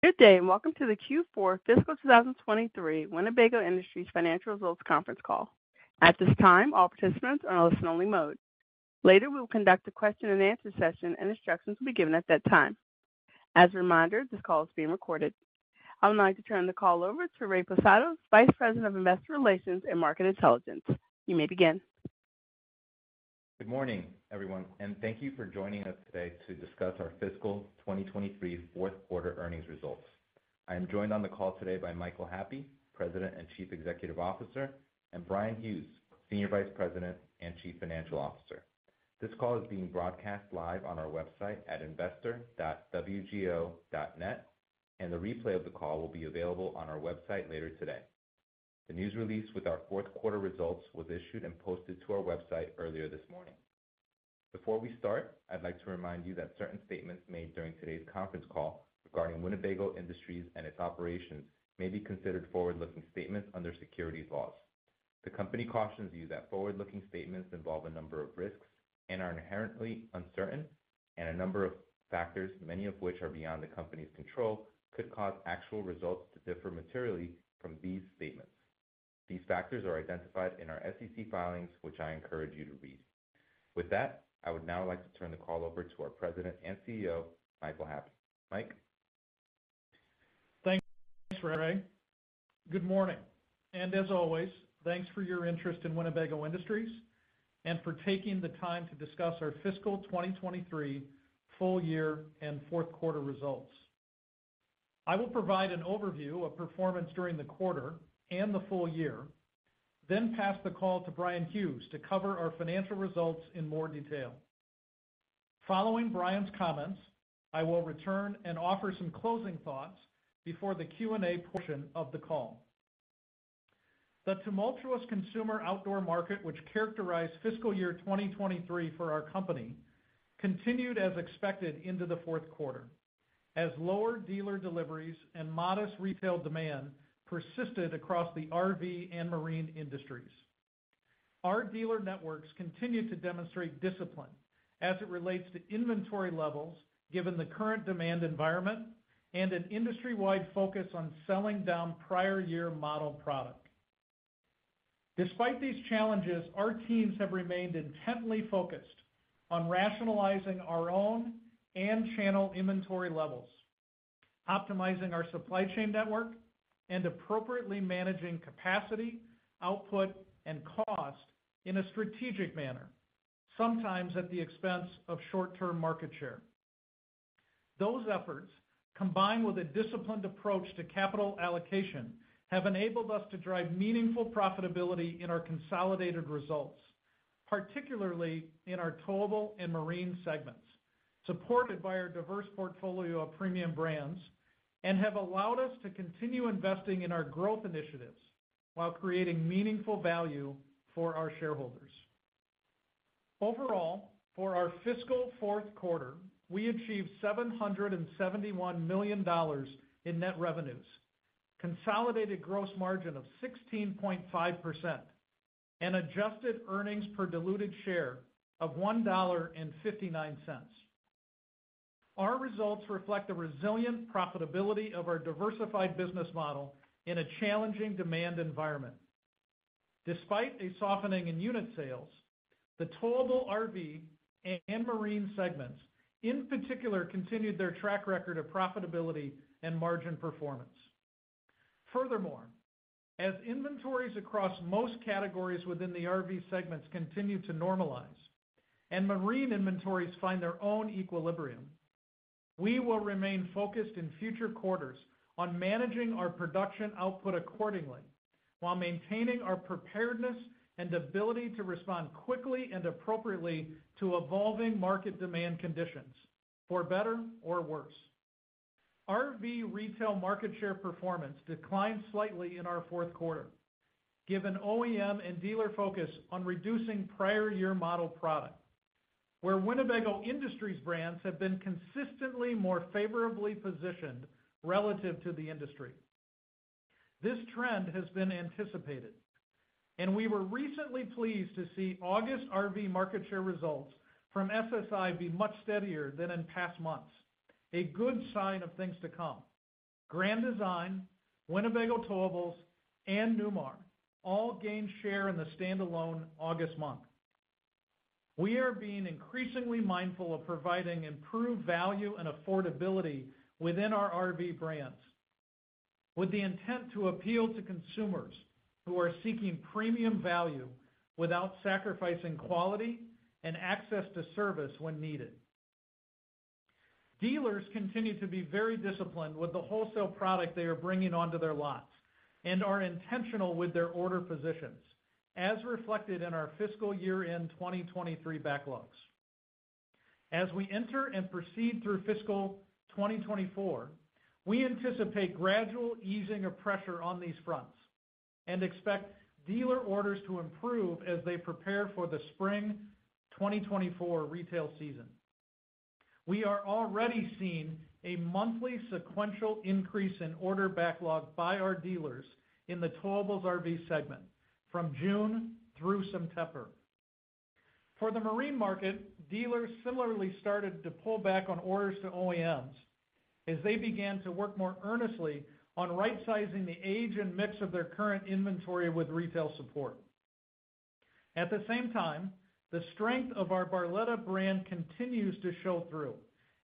Good day, and welcome to the Q4 fiscal 2023 Winnebago Industries Financial Results Conference Call. At this time, all participants are in listen-only mode. Later, we will conduct a question-and-answer session, and instructions will be given at that time. As a reminder, this call is being recorded. I would like to turn the call over to Ray Posadas, Vice President of Investor Relations and Market Intelligence. You may begin. Good morning, everyone, and thank you for joining us today to discuss our fiscal 2023 fourth quarter earnings results. I am joined on the call today by Michael Happe, President and Chief Executive Officer, and Bryan Hughes, Senior Vice President and Chief Financial Officer. This call is being broadcast live on our website at investor.wgo.net, and the replay of the call will be available on our website later today. The news release with our fourth quarter results was issued and posted to our website earlier this morning. Before we start, I'd like to remind you that certain statements made during today's conference call regarding Winnebago Industries and its operations may be considered forward-looking statements under securities laws. The company cautions you that forward-looking statements involve a number of risks and are inherently uncertain, and a number of factors, many of which are beyond the company's control, could cause actual results to differ materially from these statements. These factors are identified in our SEC filings, which I encourage you to read. With that, I would now like to turn the call over to our President and CEO, Michael Happe. Mike? Thanks, Ray. Good morning, and as always, thanks for your interest in Winnebago Industries and for taking the time to discuss our fiscal 2023 full-year and fourth quarter results. I will provide an overview of performance during the quarter and the full-year, then pass the call to Bryan Hughes to cover our financial results in more detail. Following Bryan's comments, I will return and offer some closing thoughts before the Q&A portion of the call. The tumultuous consumer outdoor market, which characterized fiscal year 2023 for our company, continued as expected into the fourth quarter, as lower dealer deliveries and modest retail demand persisted across the RV and marine industries. Our dealer networks continue to demonstrate discipline as it relates to inventory levels, given the current demand environment and an industry-wide focus on selling down prior year model product. Despite these challenges, our teams have remained intently focused on rationalizing our own and channel inventory levels, optimizing our supply chain network, and appropriately managing capacity, output, and cost in a strategic manner, sometimes at the expense of short-term market share. Those efforts, combined with a disciplined approach to capital allocation, have enabled us to drive meaningful profitability in our consolidated results, particularly in our towable and marine segments, supported by our diverse portfolio of premium brands, and have allowed us to continue investing in our growth initiatives while creating meaningful value for our shareholders. Overall, for our fiscal fourth quarter, we achieved $771 million in net revenues, consolidated gross margin of 16.5%, and adjusted earnings per diluted share of $1.59. Our results reflect the resilient profitability of our diversified business model in a challenging demand environment. Despite a softening in unit sales, the towable RV and marine segments in particular, continued their track record of profitability and margin performance. Furthermore, as inventories across most categories within the RV segments continue to normalize and marine inventories find their own equilibrium, we will remain focused in future quarters on managing our production output accordingly, while maintaining our preparedness and ability to respond quickly and appropriately to evolving market demand conditions, for better or worse. RV retail market share performance declined slightly in our fourth quarter, given OEM and dealer focus on reducing prior year model product, where Winnebago Industries brands have been consistently more favorably positioned relative to the industry. This trend has been anticipated, and we were recently pleased to see August RV market share results from SSI be much steadier than in past months. A good sign of things to come. Grand Design, Winnebago Towables, and Newmar all gained share in the standalone August month. We are being increasingly mindful of providing improved value and affordability within our RV brands, with the intent to appeal to consumers who are seeking premium value without sacrificing quality and access to service when needed. Dealers continue to be very disciplined with the wholesale product they are bringing onto their lots and are intentional with their order positions, as reflected in our fiscal year-end 2023 backlogs. As we enter and proceed through fiscal 2024, we anticipate gradual easing of pressure on these fronts and expect dealer orders to improve as they prepare for the spring 2024 retail season. We are already seeing a monthly sequential increase in order backlog by our dealers in the Towable RV segment from June through September. For the marine market, dealers similarly started to pull back on orders to OEMs as they began to work more earnestly on right-sizing the age and mix of their current inventory with retail support. At the same time, the strength of our Barletta brand continues to show through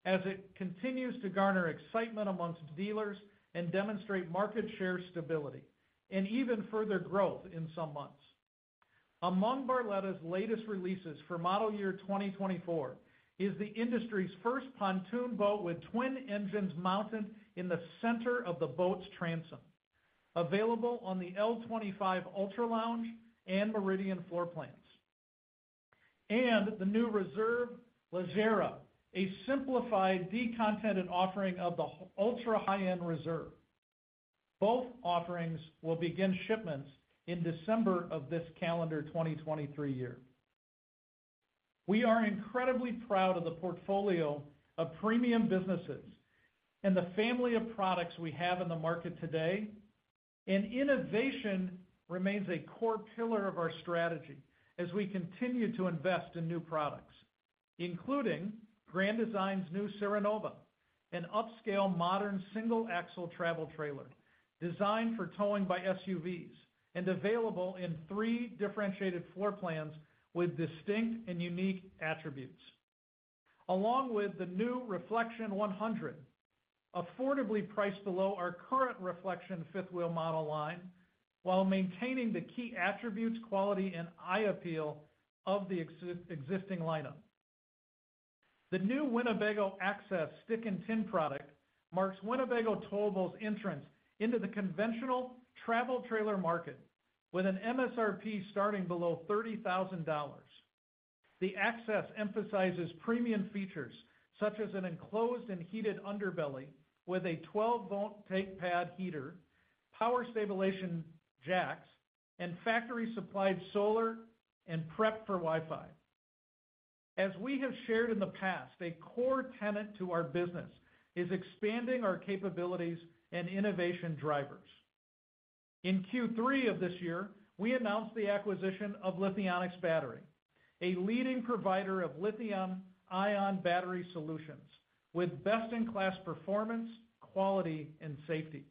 as it continues to garner excitement among dealers and demonstrate market share stability and even further growth in some months. Among Barletta's latest releases for model year 2024 is the industry's first pontoon boat with twin engines mounted in the center of the boat's transom, available on the L25 Ultra Lounge and Meridian floor plans. The new Reserve Leggera, a simplified, de-contented offering of the ultra-high-end Reserve. Both offerings will begin shipments in December of this calendar 2023 year. We are incredibly proud of the portfolio of premium businesses and the family of products we have in the market today, and innovation remains a core pillar of our strategy as we continue to invest in new products, including Grand Design's new Serenova, an upscale, modern, single-axle travel trailer designed for towing by SUVs and available in three differentiated floor plans with distinct and unique attributes. Along with the new Reflection 100, affordably priced below our current Reflection fifth wheel model line, while maintaining the key attributes, quality, and eye appeal of the existing lineup. The new Winnebago Access stick-and-tin product marks Winnebago Towable's entrance into the conventional travel trailer market with an MSRP starting below $30,000. The Access emphasizes premium features such as an enclosed and heated underbelly with a 12-volt tank pad heater, power stabilization jacks, and factory-supplied solar and prep for Wi-Fi. As we have shared in the past, a core tenet to our business is expanding our capabilities and innovation drivers. In Q3 of this year, we announced the acquisition of Lithionics Battery, a leading provider of lithium-ion battery solutions, with best-in-class performance, quality, and safety.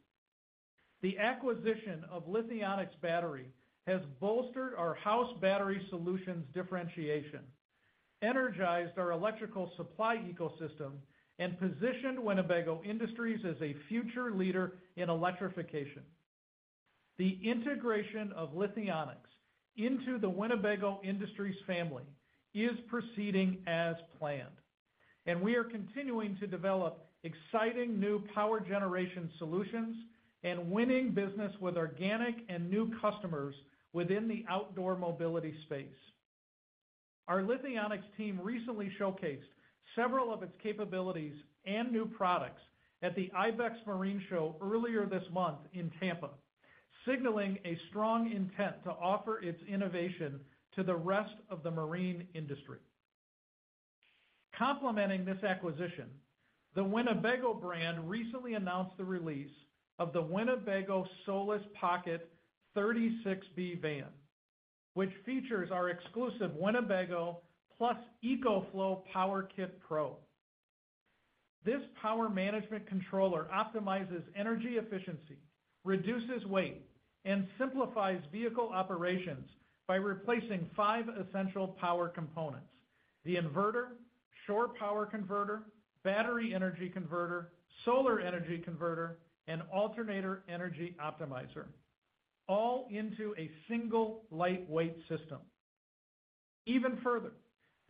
The acquisition of Lithionics Battery has bolstered our house battery solutions differentiation, energized our electrical supply ecosystem, and positioned Winnebago Industries as a future leader in electrification. The integration of Lithionics into the Winnebago Industries family is proceeding as planned, and we are continuing to develop exciting new power generation solutions and winning business with organic and new customers within the outdoor mobility space. Our Lithionics team recently showcased several of its capabilities and new products at the IBEX Marine Show earlier this month in Tampa, signaling a strong intent to offer its innovation to the rest of the marine industry. Complementing this acquisition, the Winnebago brand recently announced the release of the Winnebago Solis Pocket 36B van, which features our exclusive Winnebago plus EcoFlow Power Kit Pro. This power management controller optimizes energy efficiency, reduces weight, and simplifies vehicle operations by replacing five essential power components: the inverter, shore power converter, battery energy converter, solar energy converter, and alternator energy optimizer, all into a single lightweight system. Even further,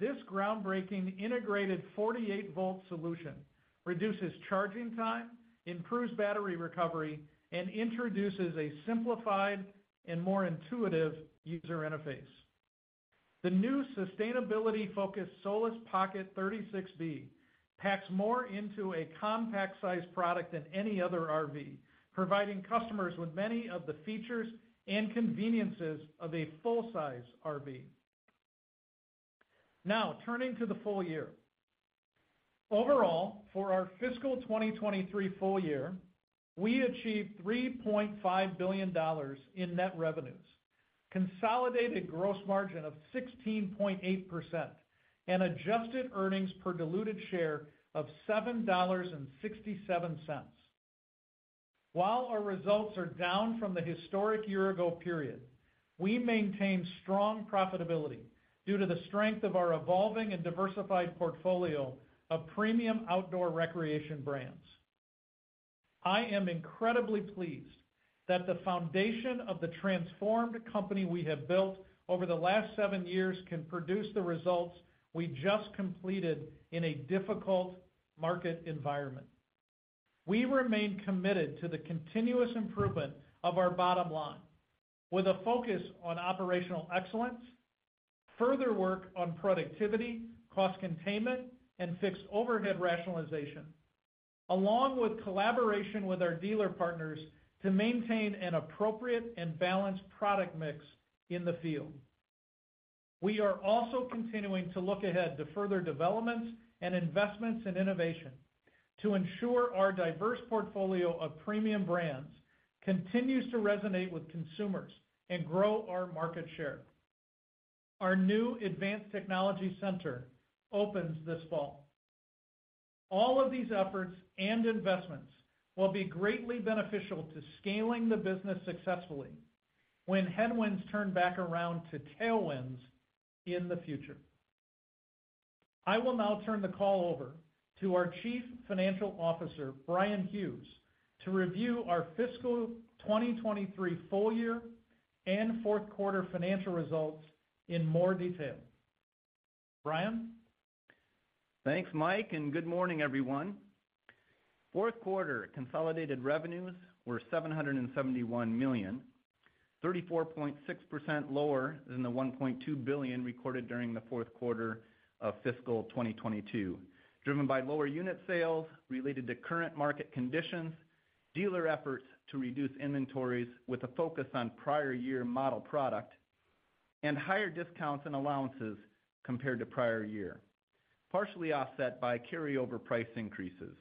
this groundbreaking integrated 48-volt solution reduces charging time, improves battery recovery, and introduces a simplified and more intuitive user interface. The new sustainability-focused Solis Pocket 36B packs more into a compact-sized product than any other RV, providing customers with many of the features and conveniences of a full-size RV. Now, turning to the full-year. Overall, for our fiscal 2023 full-year, we achieved $3.5 billion in net revenues, consolidated gross margin of 16.8%, and adjusted earnings per diluted share of $7.67. While our results are down from the historic year-ago period, we maintained strong profitability due to the strength of our evolving and diversified portfolio of premium outdoor recreation brands. I am incredibly pleased that the foundation of the transformed company we have built over the last seven years can produce the results we just completed in a difficult market environment. We remain committed to the continuous improvement of our bottom line, with a focus on operational excellence, further work on productivity, cost containment, and fixed overhead rationalization, along with collaboration with our dealer partners to maintain an appropriate and balanced product mix in the field. We are also continuing to look ahead to further developments and investments in innovation... to ensure our diverse portfolio of premium brands continues to resonate with consumers and grow our market share. Our new advanced technology center opens this fall. All of these efforts and investments will be greatly beneficial to scaling the business successfully when headwinds turn back around to tailwinds in the future. I will now turn the call over to our Chief Financial Officer, Bryan Hughes, to review our fiscal 2023 full-year and fourth quarter financial results in more detail. Bryan? Thanks, Mike, and good morning, everyone. Fourth quarter consolidated revenues were $771 million, 34.6% lower than the $1.2 billion recorded during the fourth quarter of fiscal 2022, driven by lower unit sales related to current market conditions, dealer efforts to reduce inventories with a focus on prior year model product, and higher discounts and allowances compared to prior year, partially offset by carryover price increases.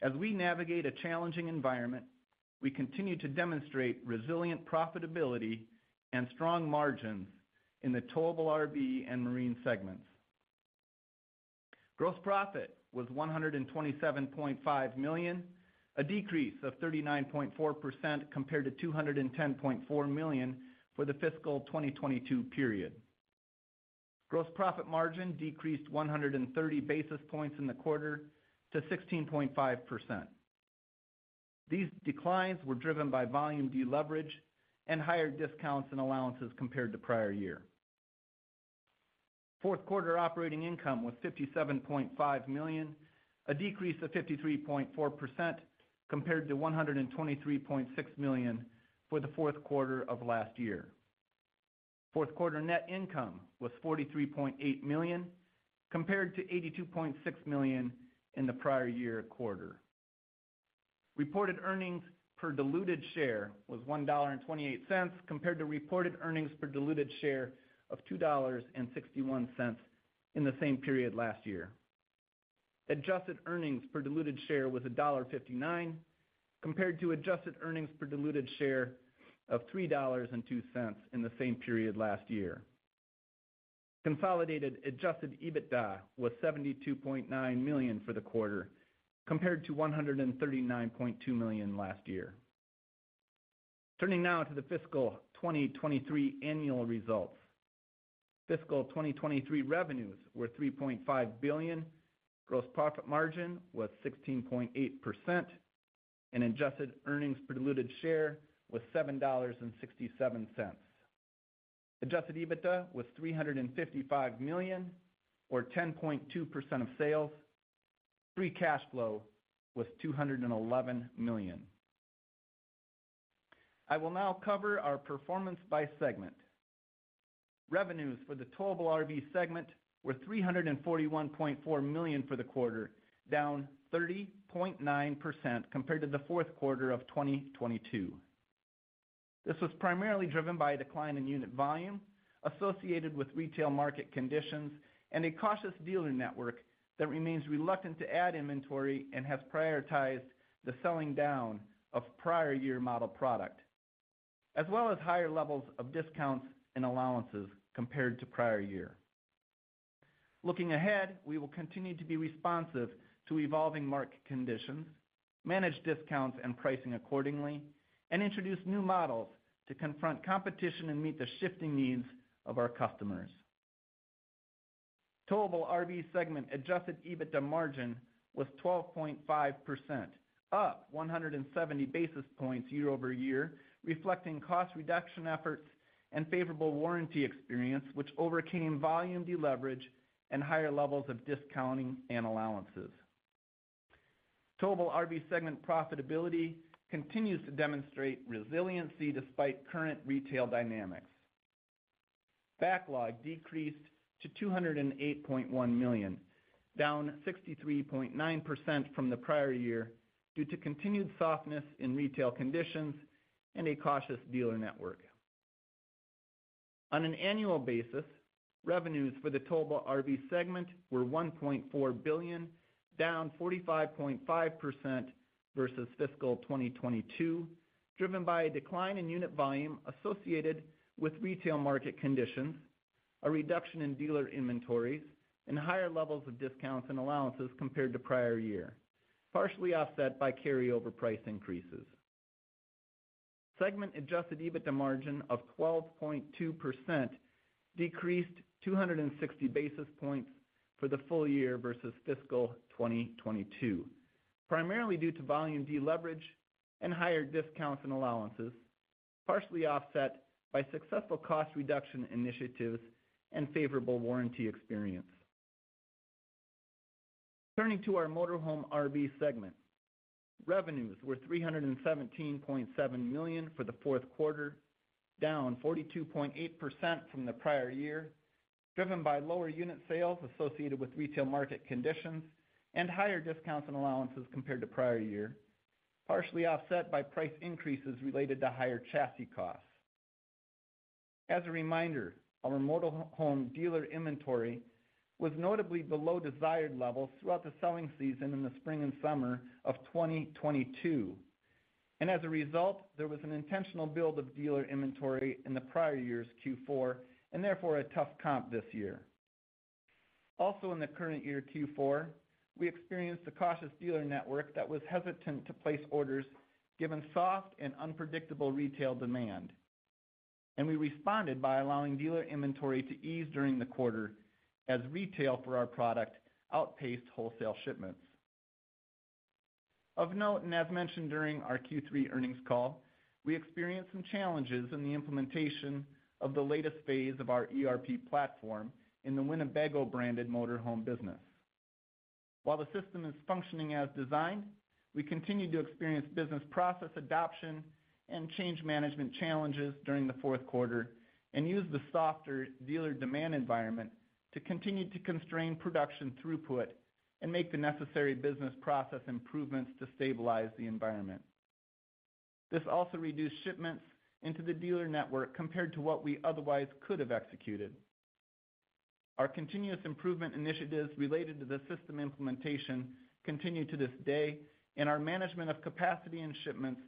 As we navigate a challenging environment, we continue to demonstrate resilient profitability and strong margins in the Towable RV and Marine segments. Gross profit was $127.5 million, a decrease of 39.4% compared to $210.4 million for the fiscal 2022 period. Gross profit margin decreased 130 basis points in the quarter to 16.5%. These declines were driven by volume deleverage and higher discounts and allowances compared to prior year. Fourth quarter operating income was $57.5 million, a decrease of 53.4% compared to $123.6 million for the fourth quarter of last year. Fourth quarter net income was $43.8 million, compared to $82.6 million in the prior year quarter. Reported earnings per diluted share was $1.28, compared to reported earnings per diluted share of $2.61 in the same period last year. Adjusted earnings per diluted share was $1.59, compared to adjusted earnings per diluted share of $3.02 in the same period last year. Consolidated Adjusted EBITDA was $72.9 million for the quarter, compared to $139.2 million last year. Turning now to the fiscal 2023 annual results. Fiscal 2023 revenues were $3.5 billion, gross profit margin was 16.8%, and adjusted earnings per diluted share was $7.67. Adjusted EBITDA was $355 million, or 10.2% of sales. Free cash flow was $211 million. I will now cover our performance by segment. Revenues for the Towable RV segment were $341.4 million for the quarter, down 30.9% compared to the fourth quarter of 2022. This was primarily driven by a decline in unit volume associated with retail market conditions and a cautious dealer network that remains reluctant to add inventory and has prioritized the selling down of prior year model product, as well as higher levels of discounts and allowances compared to prior year. Looking ahead, we will continue to be responsive to evolving market conditions, manage discounts and pricing accordingly, and introduce new models to confront competition and meet the shifting needs of our customers. Towable RV segment adjusted EBITDA margin was 12.5%, up 170 basis points year-over-year, reflecting cost reduction efforts and favorable warranty experience, which overcame volume deleverage and higher levels of discounting and allowances. Towable RV segment profitability continues to demonstrate resiliency despite current retail dynamics. Backlog decreased to $208.1 million, down 63.9% from the prior year due to continued softness in retail conditions and a cautious dealer network. On an annual basis, revenues for the Towable RV segment were $1.4 billion, down 45.5% versus fiscal 2022, driven by a decline in unit volume associated with retail market conditions, a reduction in dealer inventories, and higher levels of discounts and allowances compared to prior year, partially offset by carryover price increases. Segment Adjusted EBITDA margin of 12.2% decreased 260 basis points for the full-year versus fiscal 2022, primarily due to volume deleverage and higher discounts and allowances, partially offset by successful cost reduction initiatives and favorable warranty experience. Turning to our motor home RV segment. Revenues were $317.7 million for the fourth quarter, down 42.8% from the prior year, driven by lower unit sales associated with retail market conditions and higher discounts and allowances compared to prior year, partially offset by price increases related to higher chassis costs. As a reminder, our motor home dealer inventory was notably below desired levels throughout the selling season in the spring and summer of 2022. And as a result, there was an intentional build of dealer inventory in the prior year's Q4, and therefore a tough comp this year. Also, in the current year, Q4, we experienced a cautious dealer network that was hesitant to place orders, given soft and unpredictable retail demand. And we responded by allowing dealer inventory to ease during the quarter as retail for our product outpaced wholesale shipments. Of note, and as mentioned during our Q3 earnings call, we experienced some challenges in the implementation of the latest phase of our ERP platform in the Winnebago-branded motor home business. While the system is functioning as designed, we continued to experience business process adoption and change management challenges during the fourth quarter and used the softer dealer demand environment to continue to constrain production throughput and make the necessary business process improvements to stabilize the environment. This also reduced shipments into the dealer network compared to what we otherwise could have executed. Our continuous improvement initiatives related to the system implementation continue to this day, and our management of capacity and shipments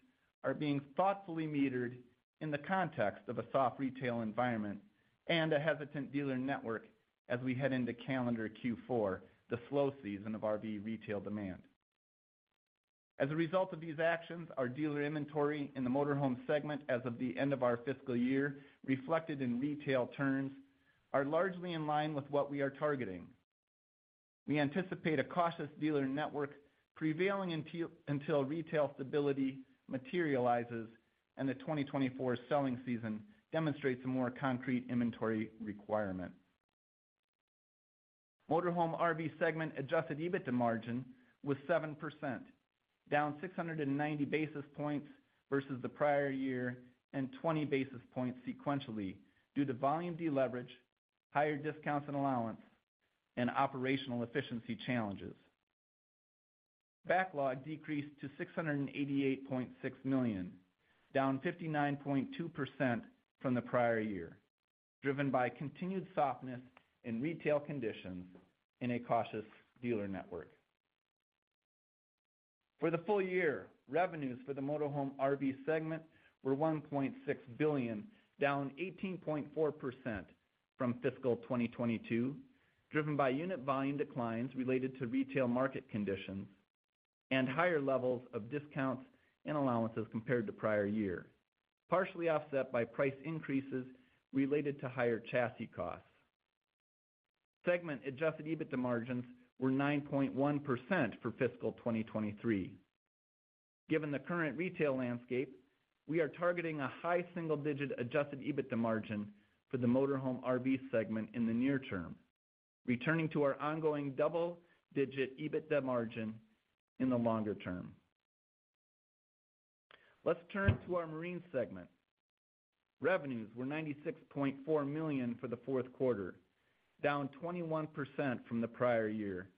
are being thoughtfully metered in the context of a soft retail environment and a hesitant dealer network as we head into calendar Q4, the slow season of RV retail demand. As a result of these actions, our dealer inventory in the motor home segment as of the end of our fiscal year, reflected in retail terms, are largely in line with what we are targeting. We anticipate a cautious dealer network prevailing until retail stability materializes and the 2024 selling season demonstrates a more concrete inventory requirement. Motor Home RV segment adjusted EBITDA margin was 7%, down 690 basis points versus the prior year, and 20 basis points sequentially due to volume deleverage, higher discounts and allowance, and operational efficiency challenges. Backlog decreased to $688.6 million, down 59.2% from the prior year, driven by continued softness in retail conditions in a cautious dealer network. For the full-year, revenues for the Motor Home RV segment were $1.6 billion, down 18.4% from fiscal 2022, driven by unit volume declines related to retail market conditions and higher levels of discounts and allowances compared to prior year, partially offset by price increases related to higher chassis costs. Segment Adjusted EBITDA margins were 9.1% for fiscal 2023. Given the current retail landscape, we are targeting a high single-digit Adjusted EBITDA margin for the Motor Home RV segment in the near term, returning to our ongoing double-digit EBITDA margin in the longer term. Let's turn to our Marine segment. Revenues were $96.4 million for the fourth quarter, down 21% from the prior year,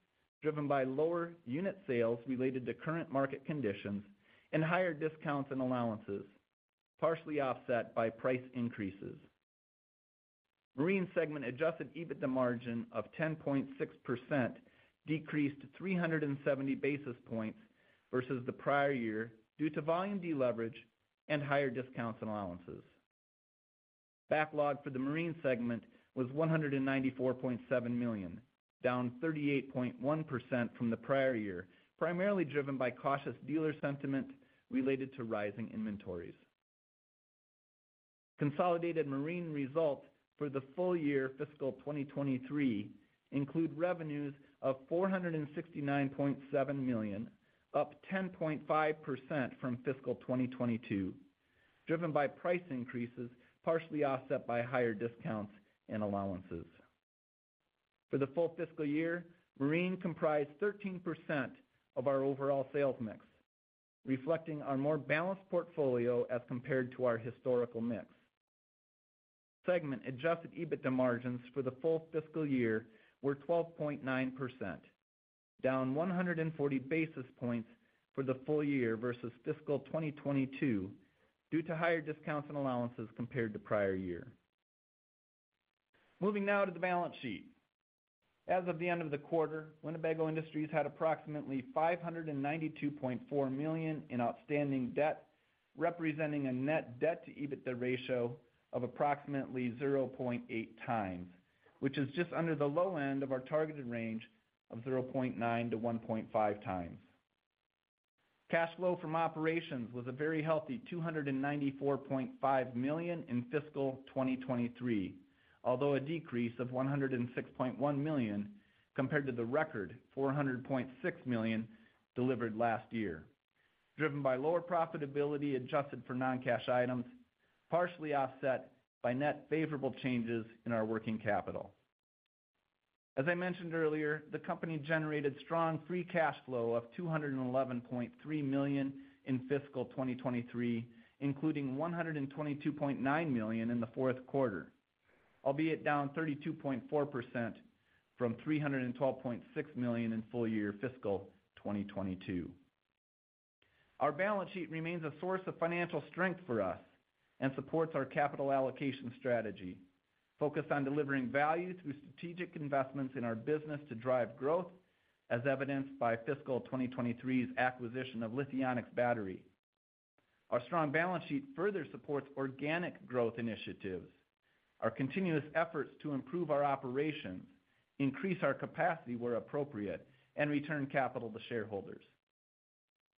driven by lower unit sales related to current market conditions and higher discounts and allowances, partially offset by price increases. Marine segment Adjusted EBITDA margin of 10.6% decreased 370 basis points versus the prior year due to volume deleverage and higher discounts and allowances. Backlog for the Marine segment was $194.7 million, down 38.1% from the prior year, primarily driven by cautious dealer sentiment related to rising inventories. Consolidated Marine results for the full-year fiscal 2023 include revenues of $469.7 million, up 10.5% from fiscal 2022, driven by price increases, partially offset by higher discounts and allowances. For the full fiscal year, Marine comprised 13% of our overall sales mix, reflecting our more balanced portfolio as compared to our historical mix. Segment-adjusted EBITDA margins for the full fiscal year were 12.9%, down 140 basis points for the full-year versus fiscal 2022 due to higher discounts and allowances compared to prior year. Moving now to the balance sheet. As of the end of the quarter, Winnebago Industries had approximately $592.4 million in outstanding debt, representing a net debt-to-EBITDA ratio of approximately 0.8 times, which is just under the low end of our targeted range of 0.9-1.5 times. Cash flow from operations was a very healthy $294.5 million in fiscal 2023, although a decrease of $106.1 million compared to the record $400.6 million delivered last year, driven by lower profitability, adjusted for non-cash items, partially offset by net favorable changes in our working capital. As I mentioned earlier, the company generated strong free cash flow of $211.3 million in fiscal 2023, including $122.9 million in the fourth quarter, albeit down 32.4% from $312.6 million in full-year fiscal 2022.... Our balance sheet remains a source of financial strength for us and supports our capital allocation strategy, focused on delivering value through strategic investments in our business to drive growth, as evidenced by fiscal 2023's acquisition of Lithionics Battery. Our strong balance sheet further supports organic growth initiatives, our continuous efforts to improve our operations, increase our capacity where appropriate, and return capital to shareholders.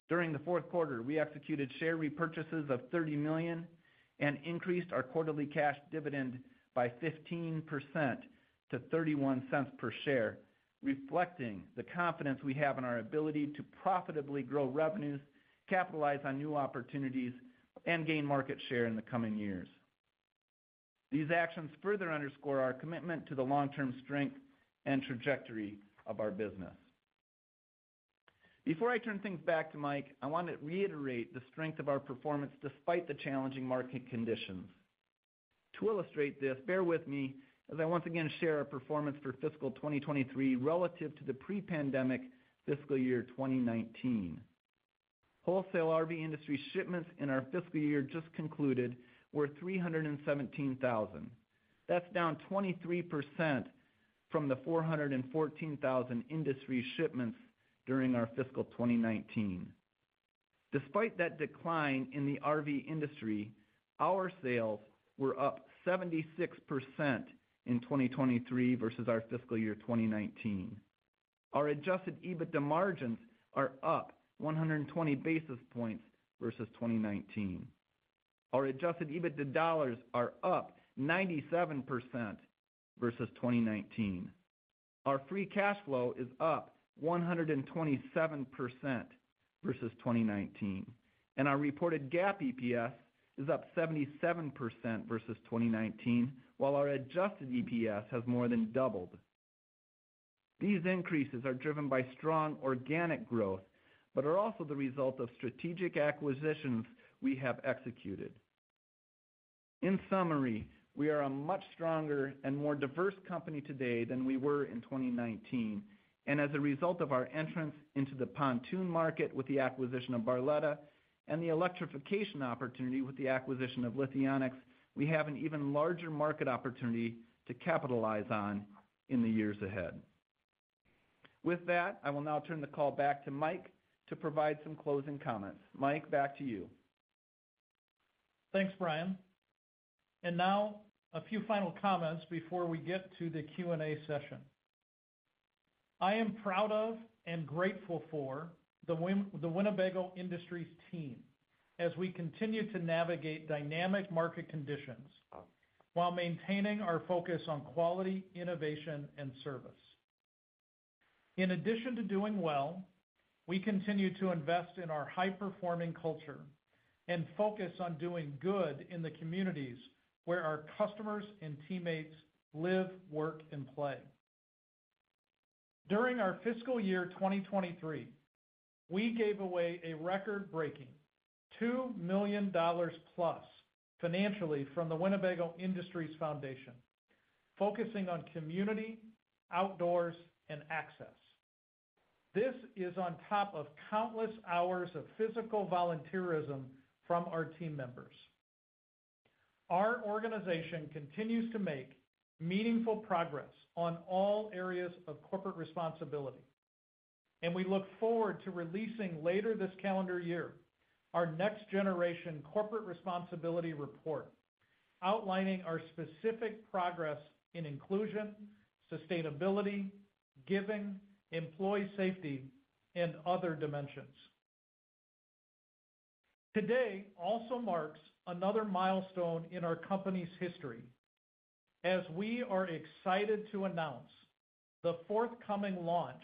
During the fourth quarter, we executed share repurchases of $30 million and increased our quarterly cash dividend by 15% to $0.31 per share, reflecting the confidence we have in our ability to profitably grow revenues, capitalize on new opportunities, and gain market share in the coming years. These actions further underscore our commitment to the long-term strength and trajectory of our business. Before I turn things back to Mike, I want to reiterate the strength of our performance despite the challenging market conditions. To illustrate this, bear with me as I once again share our performance for fiscal 2023 relative to the pre-pandemic fiscal year 2019. Wholesale RV industry shipments in our fiscal year just concluded were 317,000. That's down 23% from the 414,000 industry shipments during our fiscal 2019. Despite that decline in the RV industry, our sales were up 76% in 2023 versus our fiscal year 2019. Our adjusted EBITDA margins are up 120 basis points versus 2019. Our adjusted EBITDA dollars are up 97% versus 2019. Our free cash flow is up 127% versus 2019, and our reported GAAP EPS is up 77% versus 2019, while our adjusted EPS has more than doubled. These increases are driven by strong organic growth, but are also the result of strategic acquisitions we have executed. In summary, we are a much stronger and more diverse company today than we were in 2019, and as a result of our entrance into the pontoon market with the acquisition of Barletta and the electrification opportunity with the acquisition of Lithionics, we have an even larger market opportunity to capitalize on in the years ahead. With that, I will now turn the call back to Mike to provide some closing comments. Mike, back to you. Thanks, Bryan. And now, a few final comments before we get to the Q&A session. I am proud of and grateful for the Winnebago Industries team as we continue to navigate dynamic market conditions while maintaining our focus on quality, innovation, and service. In addition to doing well, we continue to invest in our high-performing culture and focus on doing good in the communities where our customers and teammates live, work, and play. During our fiscal year 2023, we gave away a record-breaking $2 million plus financially from the Winnebago Industries Foundation, focusing on community, outdoors, and access. This is on top of countless hours of physical volunteerism from our team members. Our organization continues to make meaningful progress on all areas of corporate responsibility, and we look forward to releasing later this calendar year, our next generation corporate responsibility report, outlining our specific progress in inclusion, sustainability, giving, employee safety, and other dimensions. Today also marks another milestone in our company's history, as we are excited to announce the forthcoming launch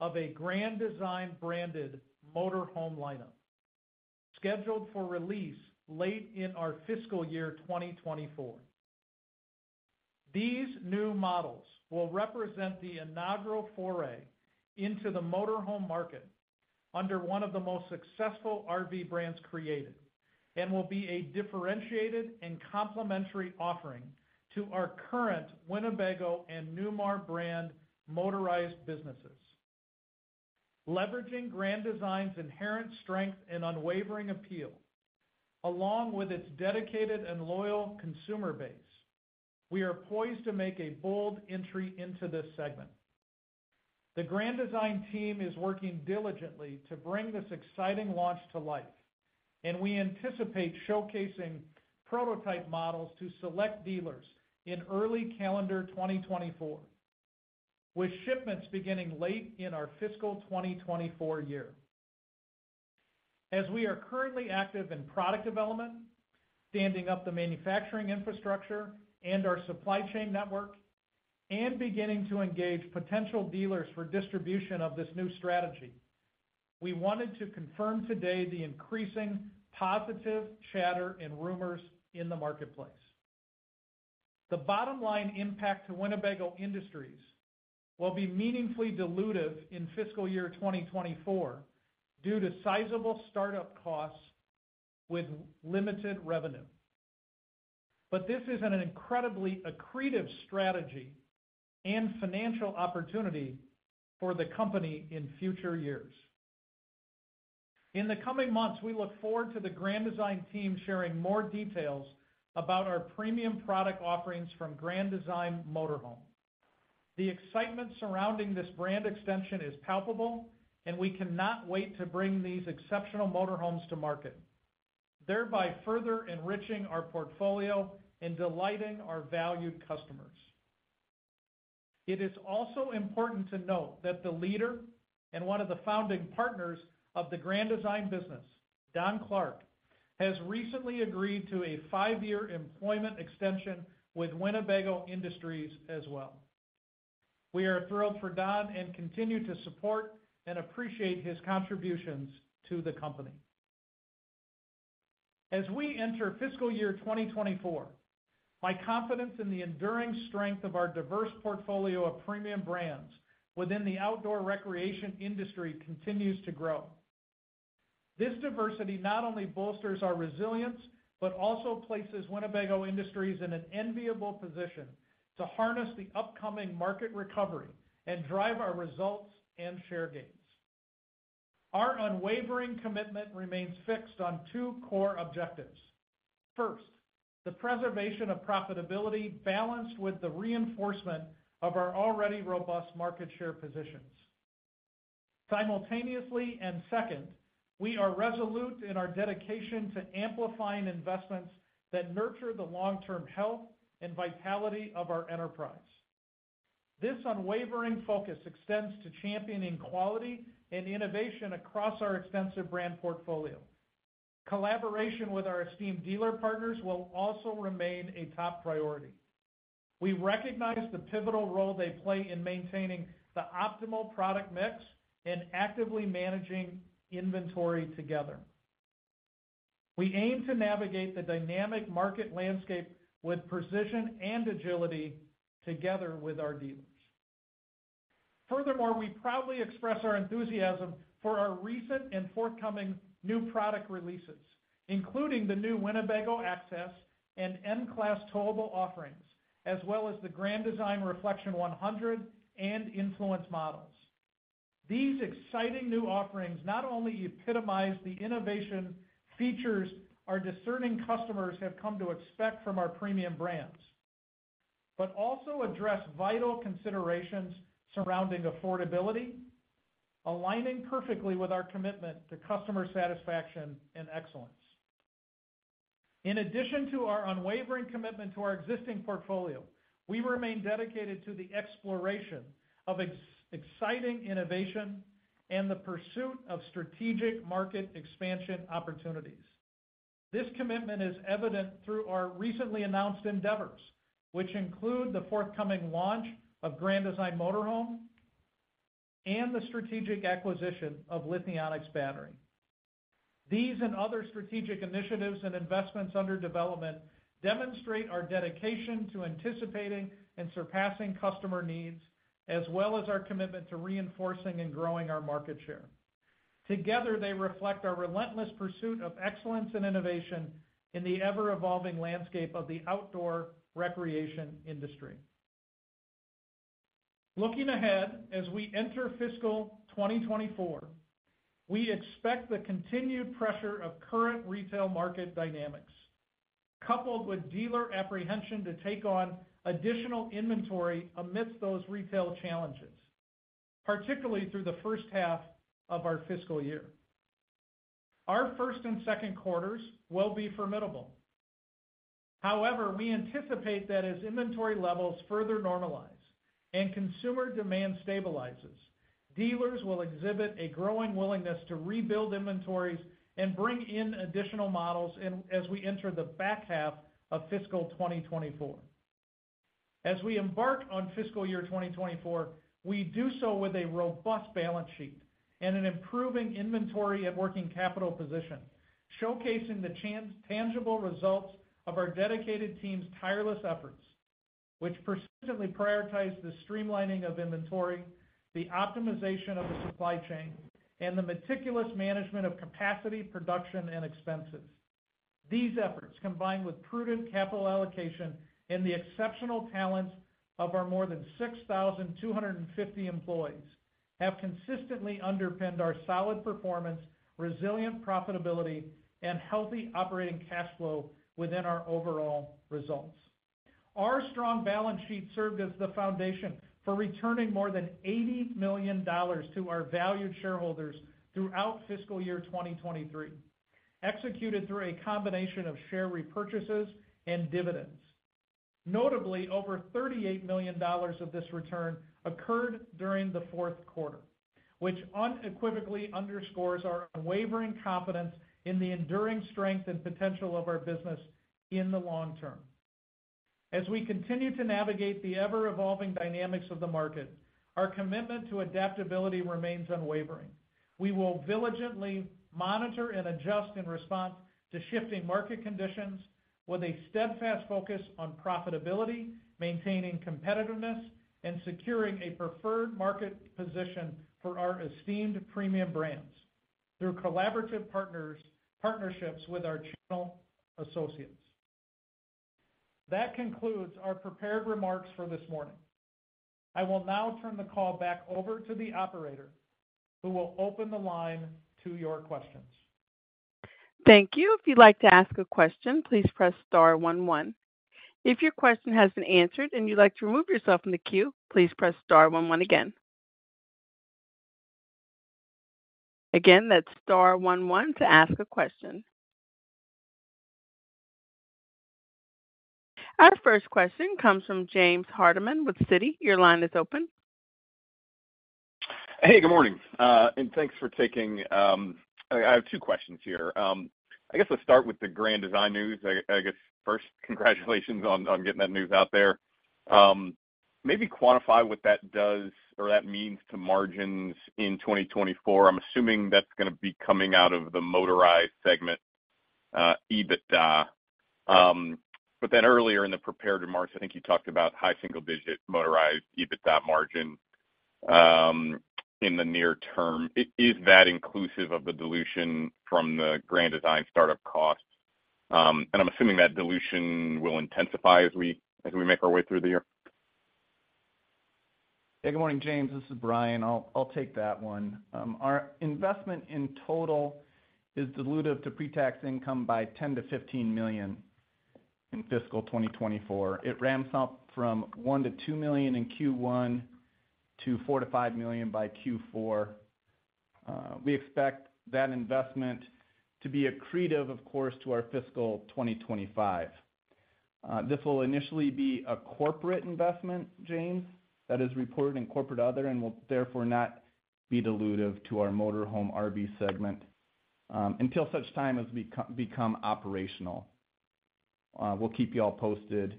of a Grand Design-branded motorhome lineup, scheduled for release late in our fiscal year 2024. These new models will represent the inaugural foray into the motorhome market under one of the most successful RV brands created and will be a differentiated and complementary offering to our current Winnebago and Newmar brand motorized businesses. Leveraging Grand Design's inherent strength and unwavering appeal, along with its dedicated and loyal consumer base, we are poised to make a bold entry into this segment. The Grand Design team is working diligently to bring this exciting launch to life, and we anticipate showcasing prototype models to select dealers in early calendar 2024, with shipments beginning late in our fiscal 2024 year. As we are currently active in product development, standing up the manufacturing infrastructure and our supply chain network, and beginning to engage potential dealers for distribution of this new strategy, we wanted to confirm today the increasing positive chatter and rumors in the marketplace. The bottom line impact to Winnebago Industries will be meaningfully dilutive in fiscal year 2024 due to sizable startup costs with limited revenue... But this is an incredibly accretive strategy and financial opportunity for the company in future years. In the coming months, we look forward to the Grand Design team sharing more details about our premium product offerings from Grand Design Motorhome. The excitement surrounding this brand extension is palpable, and we cannot wait to bring these exceptional motorhomes to market, thereby further enriching our portfolio and delighting our valued customers. It is also important to note that the leader and one of the founding partners of the Grand Design business, Don Clark, has recently agreed to a five-year employment extension with Winnebago Industries as well. We are thrilled for Don and continue to support and appreciate his contributions to the company. As we enter fiscal year 2024, my confidence in the enduring strength of our diverse portfolio of premium brands within the outdoor recreation industry continues to grow. This diversity not only bolsters our resilience, but also places Winnebago Industries in an enviable position to harness the upcoming market recovery and drive our results and share gains. Our unwavering commitment remains fixed on two core objectives. First, the preservation of profitability balanced with the reinforcement of our already robust market share positions. Simultaneously, and second, we are resolute in our dedication to amplifying investments that nurture the long-term health and vitality of our enterprise. This unwavering focus extends to championing quality and innovation across our extensive brand portfolio. Collaboration with our esteemed dealer partners will also remain a top priority. We recognize the pivotal role they play in maintaining the optimal product mix and actively managing inventory together. We aim to navigate the dynamic market landscape with precision and agility together with our dealers. Furthermore, we proudly express our enthusiasm for our recent and forthcoming new product releases, including the new Winnebago Access and M-Series towable offerings, as well as the Grand Design Reflection 100 and Influence models. These exciting new offerings not only epitomize the innovation features our discerning customers have come to expect from our premium brands, but also address vital considerations surrounding affordability, aligning perfectly with our commitment to customer satisfaction and excellence. In addition to our unwavering commitment to our existing portfolio, we remain dedicated to the exploration of exciting innovation and the pursuit of strategic market expansion opportunities. This commitment is evident through our recently announced endeavors, which include the forthcoming launch of Grand Design Motorhome and the strategic acquisition of Lithionics Battery. These and other strategic initiatives and investments under development demonstrate our dedication to anticipating and surpassing customer needs, as well as our commitment to reinforcing and growing our market share. Together, they reflect our relentless pursuit of excellence and innovation in the ever-evolving landscape of the outdoor recreation industry. Looking ahead, as we enter fiscal 2024, we expect the continued pressure of current retail market dynamics, coupled with dealer apprehension to take on additional inventory amidst those retail challenges, particularly through the first half of our fiscal year. Our first and second quarters will be formidable. However, we anticipate that as inventory levels further normalize and consumer demand stabilizes, dealers will exhibit a growing willingness to rebuild inventories and bring in additional models as we enter the back half of fiscal 2024. As we embark on fiscal year 2024, we do so with a robust balance sheet and an improving inventory and working capital position, showcasing the tangible results of our dedicated team's tireless efforts, which persistently prioritize the streamlining of inventory, the optimization of the supply chain, and the meticulous management of capacity, production, and expenses. These efforts, combined with prudent capital allocation and the exceptional talents of our more than 6,250 employees, have consistently underpinned our solid performance, resilient profitability and healthy operating cash flow within our overall results. Our strong balance sheet served as the foundation for returning more than $80 million to our valued shareholders throughout fiscal year 2023, executed through a combination of share repurchases and dividends. Notably, over $38 million of this return occurred during the fourth quarter, which unequivocally underscores our unwavering confidence in the enduring strength and potential of our business in the long term. As we continue to navigate the ever-evolving dynamics of the market, our commitment to adaptability remains unwavering. We will diligently monitor and adjust in response to shifting market conditions with a steadfast focus on profitability, maintaining competitiveness, and securing a preferred market position for our esteemed premium brands.... through collaborative partnerships with our channel associates. That concludes our prepared remarks for this morning. I will now turn the call back over to the operator, who will open the line to your questions. Thank you. If you'd like to ask a question, please press star one, one. If your question has been answered and you'd like to remove yourself from the queue, please press star one, one again. Again, that's star one, one to ask a question. Our first question comes from James Hardiman with Citi. Your line is open. Hey, good morning. Thanks for taking. I have two questions here. I guess let's start with the Grand Design news. I guess, first, congratulations on getting that news out there. Maybe quantify what that does or that means to margins in 2024. I'm assuming that's gonna be coming out of the motorized segment, EBITDA. But then earlier in the prepared remarks, I think you talked about high single-digit motorized EBITDA margin in the near term. Is that inclusive of the dilution from the Grand Design startup costs? And I'm assuming that dilution will intensify as we make our way through the year. Hey, good morning, James. This is Bryan. I'll, I'll take that one. Our investment in total is dilutive to pretax income by $10-15 million in fiscal 2024. It ramps up from $1-2 million in Q1 to $4-5 million by Q4. We expect that investment to be accretive, of course, to our fiscal 2025. This will initially be a corporate investment, James, that is reported in corporate other and will therefore not be dilutive to our motor home RV segment, until such time as become operational. We'll keep you all posted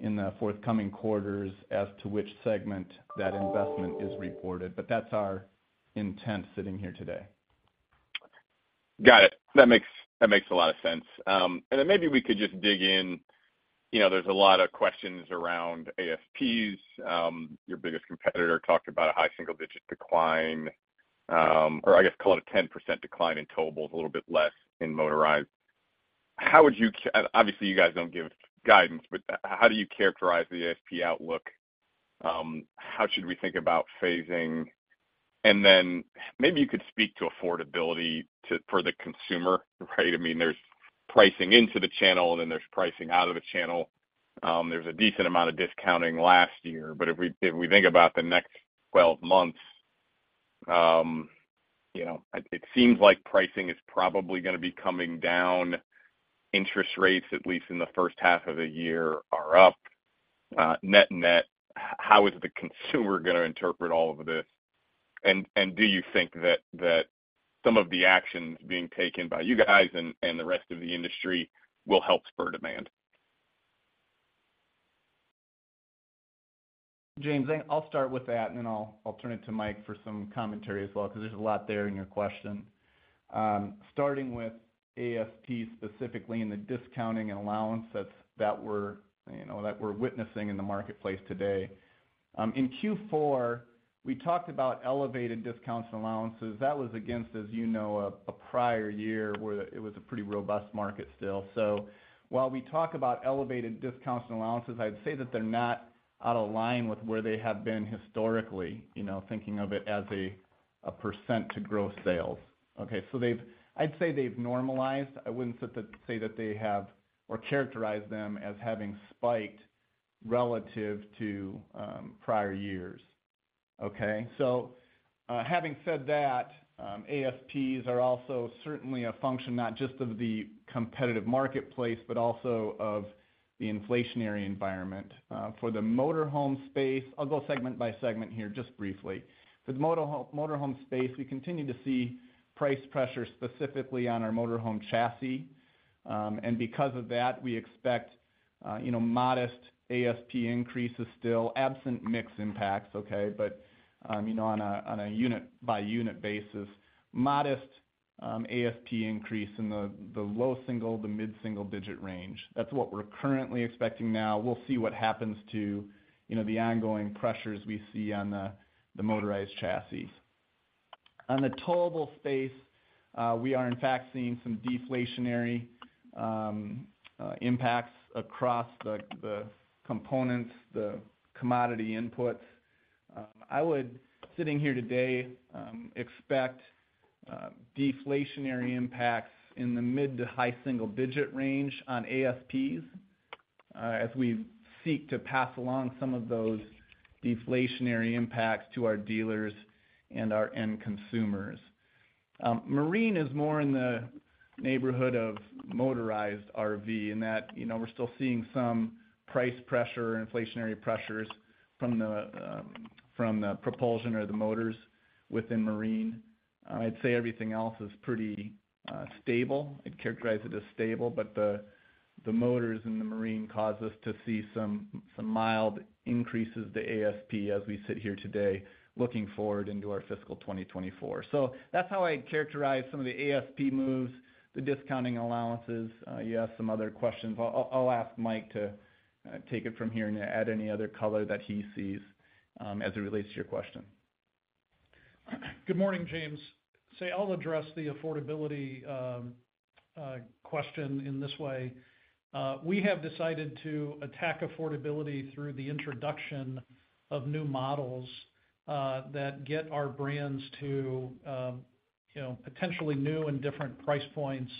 in the forthcoming quarters as to which segment that investment is reported, but that's our intent sitting here today. Got it. That makes, that makes a lot of sense. And then maybe we could just dig in. You know, there's a lot of questions around ASPs. Your biggest competitor talked about a high single-digit decline, or I guess, call it a 10% decline in towables, a little bit less in motorized. How would you obviously, you guys don't give guidance, but how do you characterize the ASP outlook? How should we think about phasing? And then maybe you could speak to affordability for the consumer, right? I mean, there's pricing into the channel, and then there's pricing out of the channel. There was a decent amount of discounting last year, but if we, if we think about the next 12 months, you know, it, it seems like pricing is probably gonna be coming down. Interest rates, at least in the first half of the year, are up. Net-net, how is the consumer gonna interpret all of this? And do you think that some of the actions being taken by you guys and the rest of the industry will help spur demand? James, I'll start with that, and then I'll turn it to Mike for some commentary as well, because there's a lot there in your question. Starting with ASP specifically and the discounting and allowance that we're, you know, witnessing in the marketplace today. In Q4, we talked about elevated discounts and allowances. That was against, as you know, a prior year, where it was a pretty robust market still. So while we talk about elevated discounts and allowances, I'd say that they're not out of line with where they have been historically, you know, thinking of it as a % to gross sales, okay? So they've. I'd say they've normalized. I wouldn't say that they have or characterize them as having spiked relative to prior years, okay? So, having said that, ASPs are also certainly a function not just of the competitive marketplace, but also of the inflationary environment. For the motor home space, I'll go segment by segment here, just briefly. For the motor home, motor home space, we continue to see price pressure specifically on our motor home chassis. And because of that, we expect, you know, modest ASP increases still, absent mix impacts, okay? But, you know, on a unit-by-unit basis, modest ASP increase in the low single, the mid-single-digit range. That's what we're currently expecting now. We'll see what happens to, you know, the ongoing pressures we see on the motorized chassis. On the towable space, we are in fact seeing some deflationary impacts across the components, the commodity inputs. I would, sitting here today, expect deflationary impacts in the mid to high single-digit range on ASPs, as we seek to pass along some of those deflationary impacts to our dealers and our end consumers. Marine is more in the neighborhood of motorized RV, in that, you know, we're still seeing some price pressure, inflationary pressures from the propulsion or the motors within marine. I'd say everything else is pretty stable. I'd characterize it as stable, but the motors in the marine cause us to see some mild increases to ASP as we sit here today, looking forward into our fiscal 2024. So that's how I'd characterize some of the ASP moves, the discounting allowances. You asked some other questions. I'll ask Mike to take it from here and add any other color that he sees as it relates to your question. Good morning, James. So I'll address the affordability question in this way. We have decided to attack affordability through the introduction of new models that get our brands to, you know, potentially new and different price points,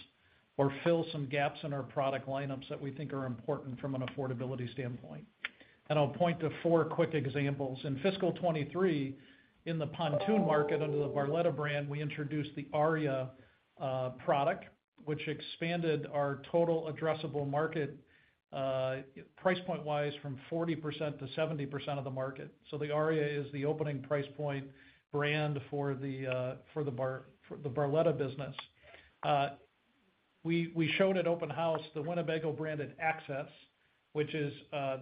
or fill some gaps in our product lineups that we think are important from an affordability standpoint. And I'll point to four quick examples. In fiscal 2023, in the pontoon market, under the Barletta brand, we introduced the Aria product, which expanded our total addressable market, price point-wise, from 40% to 70% of the market. So the Aria is the opening price point brand for the Barletta business. We showed at Open House the Winnebago-branded Access, which is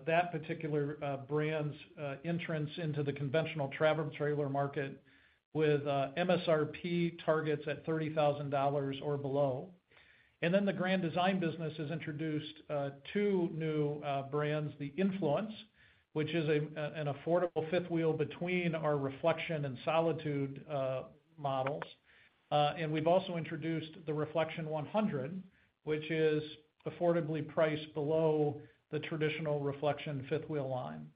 that particular brand's entrance into the conventional travel trailer market with MSRP targets at $30,000 or below. And then the Grand Design business has introduced two new brands, the Influence, which is an affordable fifth wheel between our Reflection and Solitude models. And we've also introduced the Reflection 100, which is affordably priced below the traditional Reflection fifth wheel line.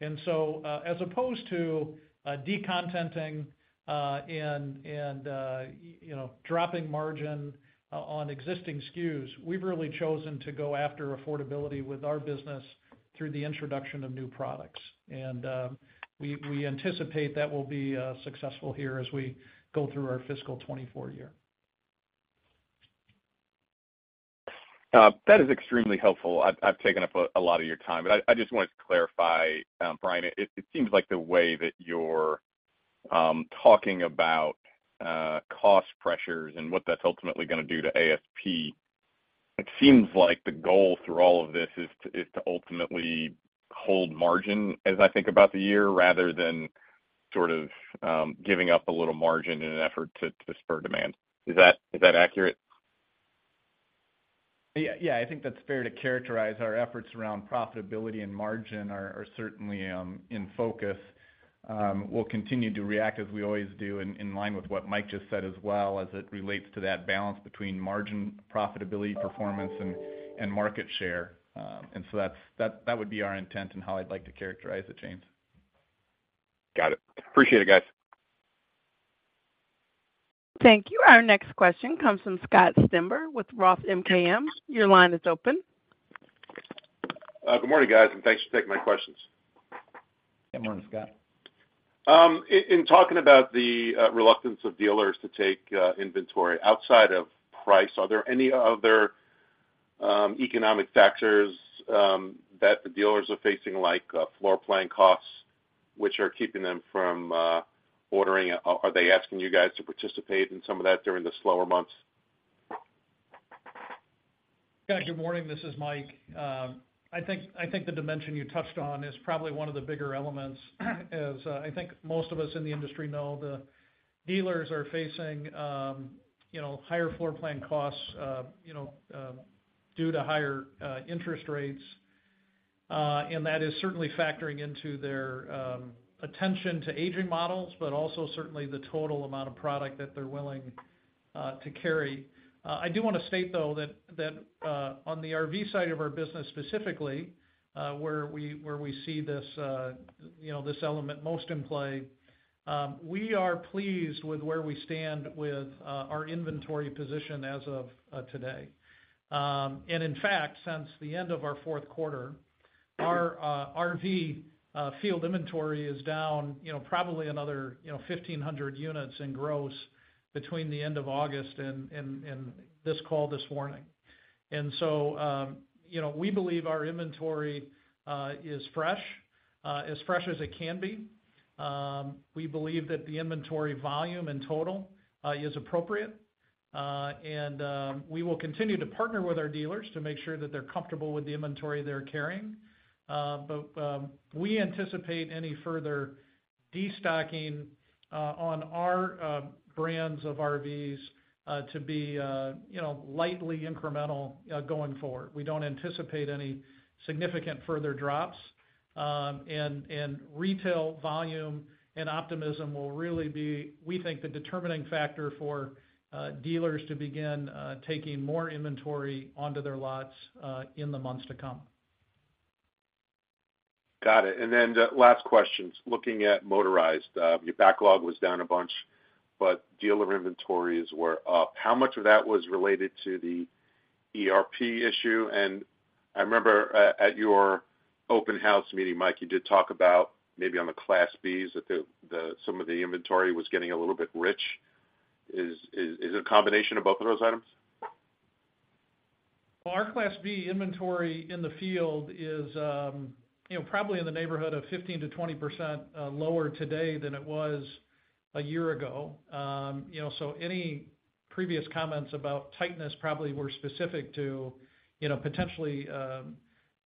And so, as opposed to decontenting and, you know, dropping margin on existing SKUs, we've really chosen to go after affordability with our business through the introduction of new products. And we anticipate that will be successful here as we go through our fiscal 2024 year. That is extremely helpful. I've taken up a lot of your time, but I just wanted to clarify, Bryan, it seems like the way that you're talking about cost pressures and what that's ultimately gonna do to ASP, it seems like the goal through all of this is to ultimately hold margin, as I think about the year, rather than sort of giving up a little margin in an effort to spur demand. Is that accurate? Yeah, yeah, I think that's fair to characterize. Our efforts around profitability and margin are certainly in focus. We'll continue to react as we always do, in line with what Mike just said as well as it relates to that balance between margin, profitability, performance, and market share. And so that would be our intent and how I'd like to characterize it, James. Got it. Appreciate it, guys. Thank you. Our next question comes from Scott Stember with Roth MKM. Your line is open. Good morning, guys, and thanks for taking my questions. Good morning, Scott. In talking about the reluctance of dealers to take inventory, outside of price, are there any other economic factors that the dealers are facing, like floor plan costs, which are keeping them from ordering? Are they asking you guys to participate in some of that during the slower months? Yeah. Good morning, this is Mike. I think, I think the dimension you touched on is probably one of the bigger elements. As, I think most of us in the industry know, the dealers are facing, you know, higher floor plan costs, you know, due to higher, interest rates. And that is certainly factoring into their, attention to aging models, but also certainly the total amount of product that they're willing, to carry. I do want to state, though, that, that, on the RV side of our business, specifically, where we, where we see this, you know, this element most in play, we are pleased with where we stand with, our inventory position as of, today. And in fact, since the end of our fourth quarter, our RV field inventory is down, you know, probably another 1,500 units in gross between the end of August and this call this morning. And so, you know, we believe our inventory is fresh as fresh as it can be. We believe that the inventory volume in total is appropriate. And we will continue to partner with our dealers to make sure that they're comfortable with the inventory they're carrying. But we anticipate any further destocking on our brands of RVs to be, you know, lightly incremental going forward. We don't anticipate any significant further drops. Retail volume and optimism will really be, we think, the determining factor for dealers to begin taking more inventory onto their lots in the months to come. Got it. And then the last questions, looking at motorized, your backlog was down a bunch, but dealer inventories were up. How much of that was related to the ERP issue? And I remember, at your Open House meeting, Mike, you did talk about maybe on the Class Bs, that some of the inventory was getting a little bit rich. Is it a combination of both of those items? Well, our Class B inventory in the field is, you know, probably in the neighborhood of 15%-20% lower today than it was a year ago. You know, so any previous comments about tightness probably were specific to, you know, potentially,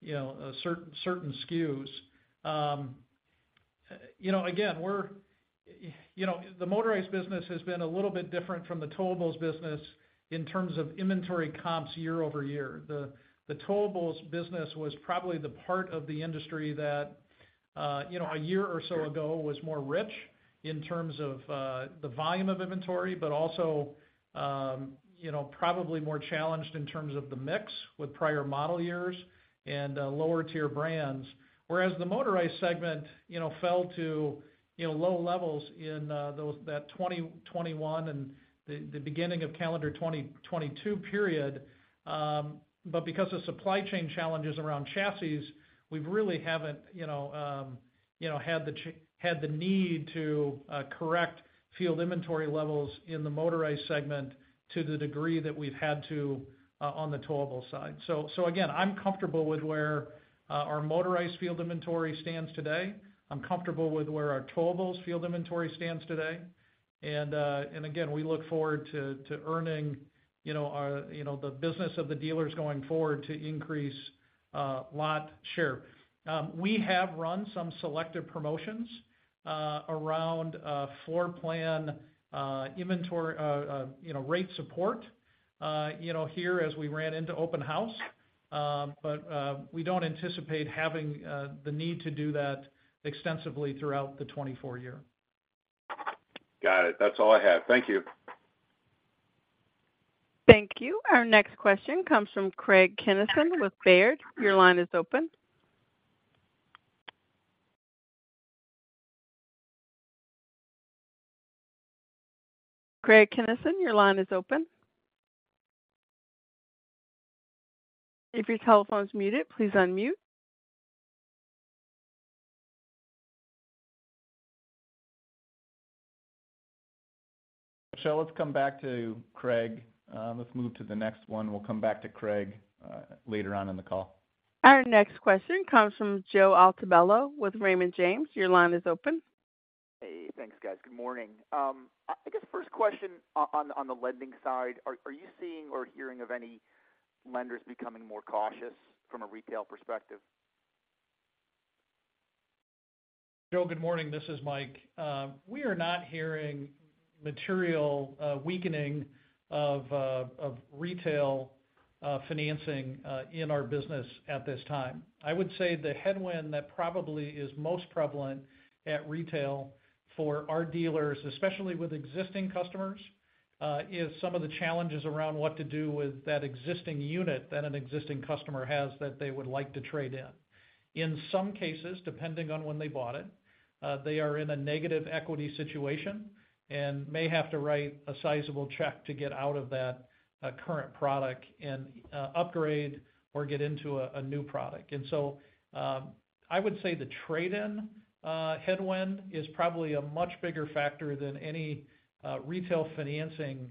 you know, certain, certain SKUs. You know, again, you know, the motorized business has been a little bit different from the towables business in terms of inventory comps year-over-year. The towables business was probably the part of the industry that, you know, a year or so ago was more rich in terms of the volume of inventory, but also, you know, probably more challenged in terms of the mix with prior model years and lower tier brands. Whereas the motorized segment, you know, fell to, you know, low levels in that 2021 and the beginning of calendar 2022 period. But because of supply chain challenges around chassis, we really haven't, you know, had the need to correct field inventory levels in the motorized segment to the degree that we've had to on the towable side. So again, I'm comfortable with where our motorized field inventory stands today. I'm comfortable with where our towables field inventory stands today. And again, we look forward to earning, you know, our, you know, the business of the dealers going forward to increase lot share. We have run some selective promotions around floor plan inventory, you know, rate support, you know, here as we ran into Open House. But we don't anticipate having the need to do that extensively throughout the 2024 year. Got it. That's all I have. Thank you. Thank you. Our next question comes from Craig Kennison with Baird. Your line is open. Craig Kennison, your line is open. If your telephone is muted, please unmute. Michelle, let's come back to Craig. Let's move to the next one. We'll come back to Craig later on in the call. Our next question comes from Joe Altobello with Raymond James. Your line is open. Hey, thanks, guys. Good morning. I guess first question on the lending side, are you seeing or hearing of any lenders becoming more cautious from a retail perspective? Joe, good morning, this is Mike. We are not hearing material weakening of retail financing in our business at this time. I would say the headwind that probably is most prevalent at retail for our dealers, especially with existing customers, is some of the challenges around what to do with that existing unit that an existing customer has that they would like to trade in. In some cases, depending on when they bought it, they are in a negative equity situation and may have to write a sizable check to get out of that current product and upgrade or get into a new product. And so, I would say the trade-in headwind is probably a much bigger factor than any retail financing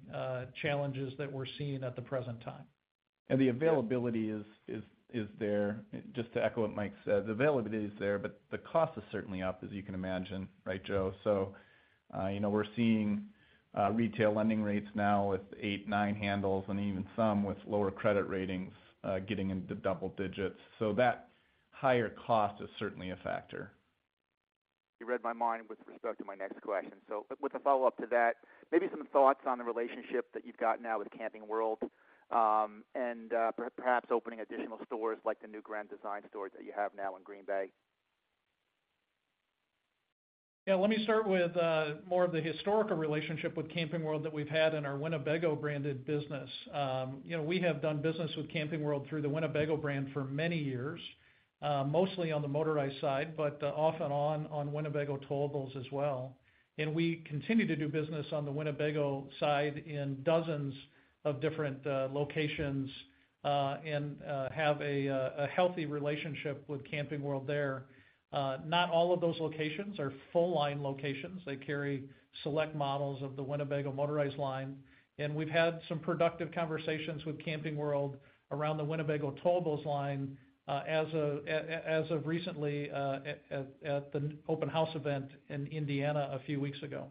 challenges that we're seeing at the present time. The availability is there. Just to echo what Mike said, the availability is there, but the cost is certainly up, as you can imagine. Right, Joe? So, you know, we're seeing retail lending rates now with 8, 9 handles and even some with lower credit ratings getting into double digits. So that higher cost is certainly a factor. You read my mind with respect to my next question. So with a follow-up to that, maybe some thoughts on the relationship that you've got now with Camping World, and perhaps opening additional stores like the new Grand Design store that you have now in Green Bay. Yeah, let me start with more of the historical relationship with Camping World that we've had in our Winnebago branded business. You know, we have done business with Camping World through the Winnebago brand for many years, mostly on the motorized side, but off and on, on Winnebago towables as well. And we continue to do business on the Winnebago side in dozens of different locations and have a healthy relationship with Camping World there. Not all of those locations are full line locations. They carry select models of the Winnebago motorized line, and we've had some productive conversations with Camping World around the Winnebago towables line as of recently at the Open House event in Indiana a few weeks ago.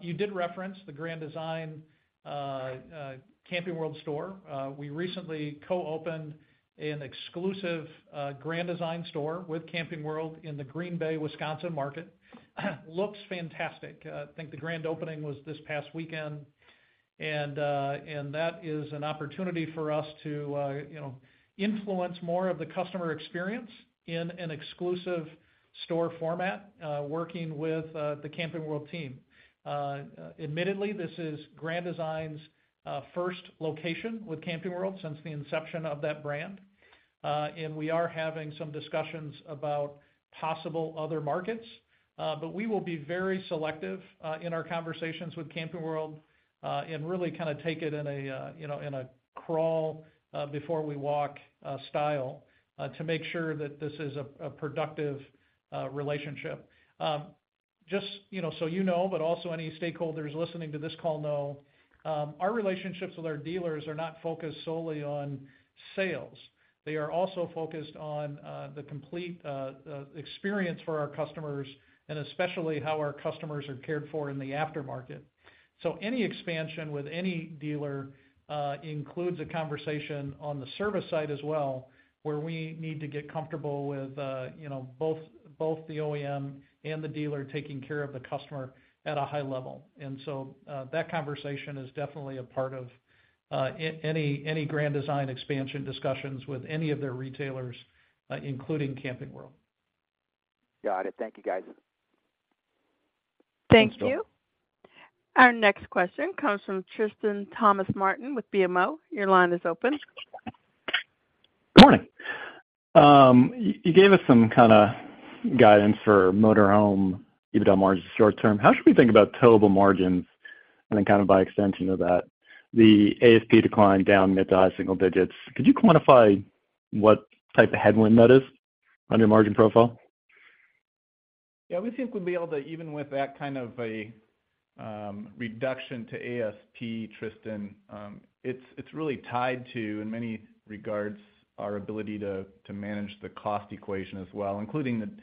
You did reference the Grand Design Camping World store. We recently co-opened an exclusive Grand Design store with Camping World in the Green Bay, Wisconsin market. Looks fantastic. I think the grand opening was this past weekend, and that is an opportunity for us to, you know, influence more of the customer experience in an exclusive store format, working with the Camping World team. Admittedly, this is Grand Design's first location with Camping World since the inception of that brand. And we are having some discussions about possible other markets, but we will be very selective in our conversations with Camping World, and really kind of take it in a, you know, in a crawl before we walk style, to make sure that this is a productive relationship. Just, you know, so you know, but also any stakeholders listening to this call know, our relationships with our dealers are not focused solely on sales. They are also focused on, the complete, experience for our customers, and especially how our customers are cared for in the aftermarket. So any expansion with any dealer, includes a conversation on the service side as well, where we need to get comfortable with you know, both, both the OEM and the dealer taking care of the customer at a high level. And so, that conversation is definitely a part of, any, any Grand Design expansion discussions with any of their retailers, including Camping World. Got it. Thank you, guys. Thank you. Thanks, John. Our next question comes from Tristan Thomas-Martin with BMO. Your line is open. Good morning. You gave us some kind of guidance for motor home EBITDA margins short term. How should we think about towable margins, and then kind of by extension of that, the ASP decline down mid- to high-single digits? Could you quantify what type of headwind that is on your margin profile? Yeah, we think we'll be able to, even with that kind of a reduction to ASP, Tristan, it's really tied to, in many regards, our ability to manage the cost equation as well, including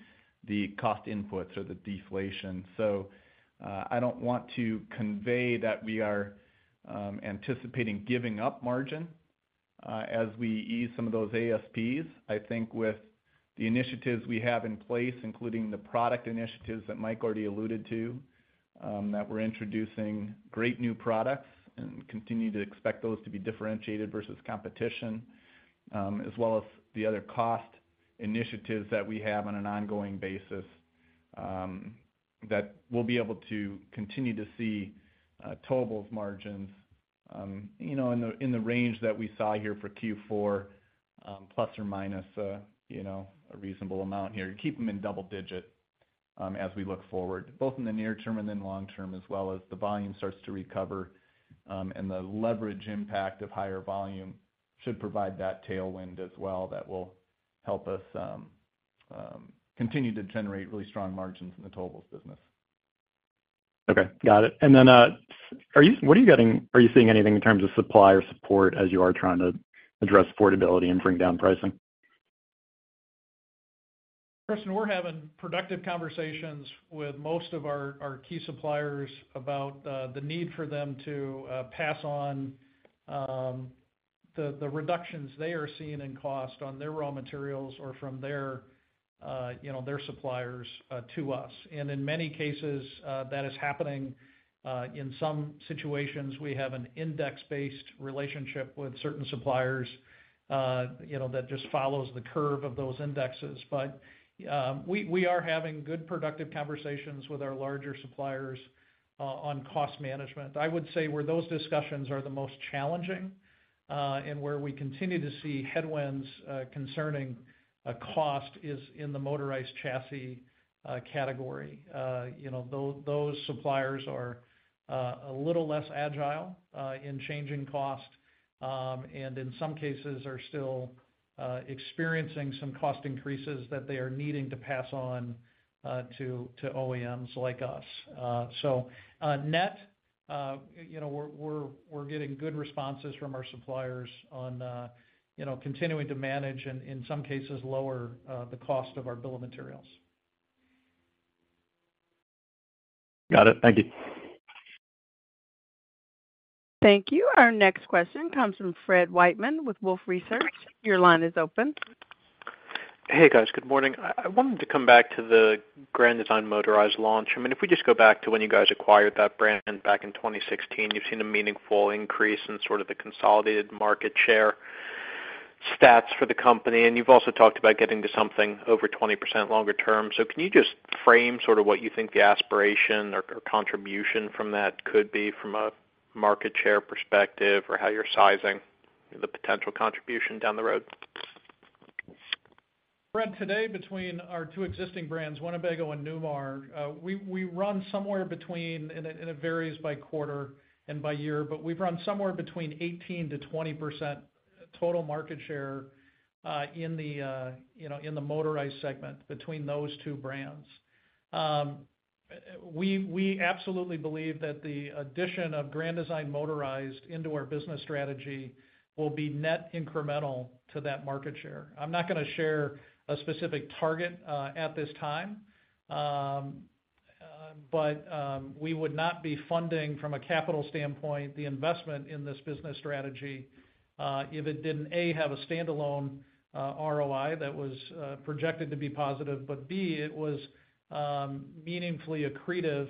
the cost inputs or the deflation. So, I don't want to convey that we are anticipating giving up margin, as we ease some of those ASPs. I think with the initiatives we have in place, including the product initiatives that Mike already alluded to, that we're introducing great new products and continue to expect those to be differentiated versus competition, as well as the other cost initiatives that we have on an ongoing basis, that we'll be able to continue to see towables margins, you know, in the range that we saw here for Q4, plus or minus, you know, a reasonable amount here. Keep them in double digit, as we look forward, both in the near term and then long term, as well as the volume starts to recover, and the leverage impact of higher volume should provide that tailwind as well, that will help us continue to generate really strong margins in the towables business. Okay, got it. And then, are you, what are you getting? Are you seeing anything in terms of supplier support as you are trying to address affordability and bring down pricing? Tristan, we're having productive conversations with most of our key suppliers about the need for them to pass on the reductions they are seeing in cost on their raw materials or from their suppliers, you know, to us. And in many cases, that is happening. In some situations, we have an index-based relationship with certain suppliers, you know, that just follows the curve of those indexes. But we are having good, productive conversations with our larger suppliers on cost management. I would say, where those discussions are the most challenging and where we continue to see headwinds concerning cost is in the motorized chassis category. You know, those suppliers are a little less agile in changing cost, and in some cases are still experiencing some cost increases that they are needing to pass on to OEMs like us. So, net, you know, we're getting good responses from our suppliers on, you know, continuing to manage and in some cases, lower the cost of our bill of materials. Got it. Thank you. Thank you. Our next question comes from Fred Wightman with Wolfe Research. Your line is open. Hey, guys. Good morning. I wanted to come back to the Grand Design motorized launch. I mean, if we just go back to when you guys acquired that brand back in 2016, you've seen a meaningful increase in sort of the consolidated market share stats for the company, and you've also talked about getting to something over 20% longer term. So can you just frame sort of what you think the aspiration or contribution from that could be from a market share perspective, or how you're sizing the potential contribution down the road? Fred, today, between our two existing brands, Winnebago and Newmar, we run somewhere between, and it varies by quarter and by year, but we run somewhere between 18%-20% total market share in the, you know, in the motorized segment between those two brands. We absolutely believe that the addition of Grand Design motorized into our business strategy will be net incremental to that market share. I'm not going to share a specific target at this time. But we would not be funding from a capital stanidpoint the investment in this business strategy if it didn't, A, have a standalone ROI that was projected to be positive, but B, it was meaningfully accretive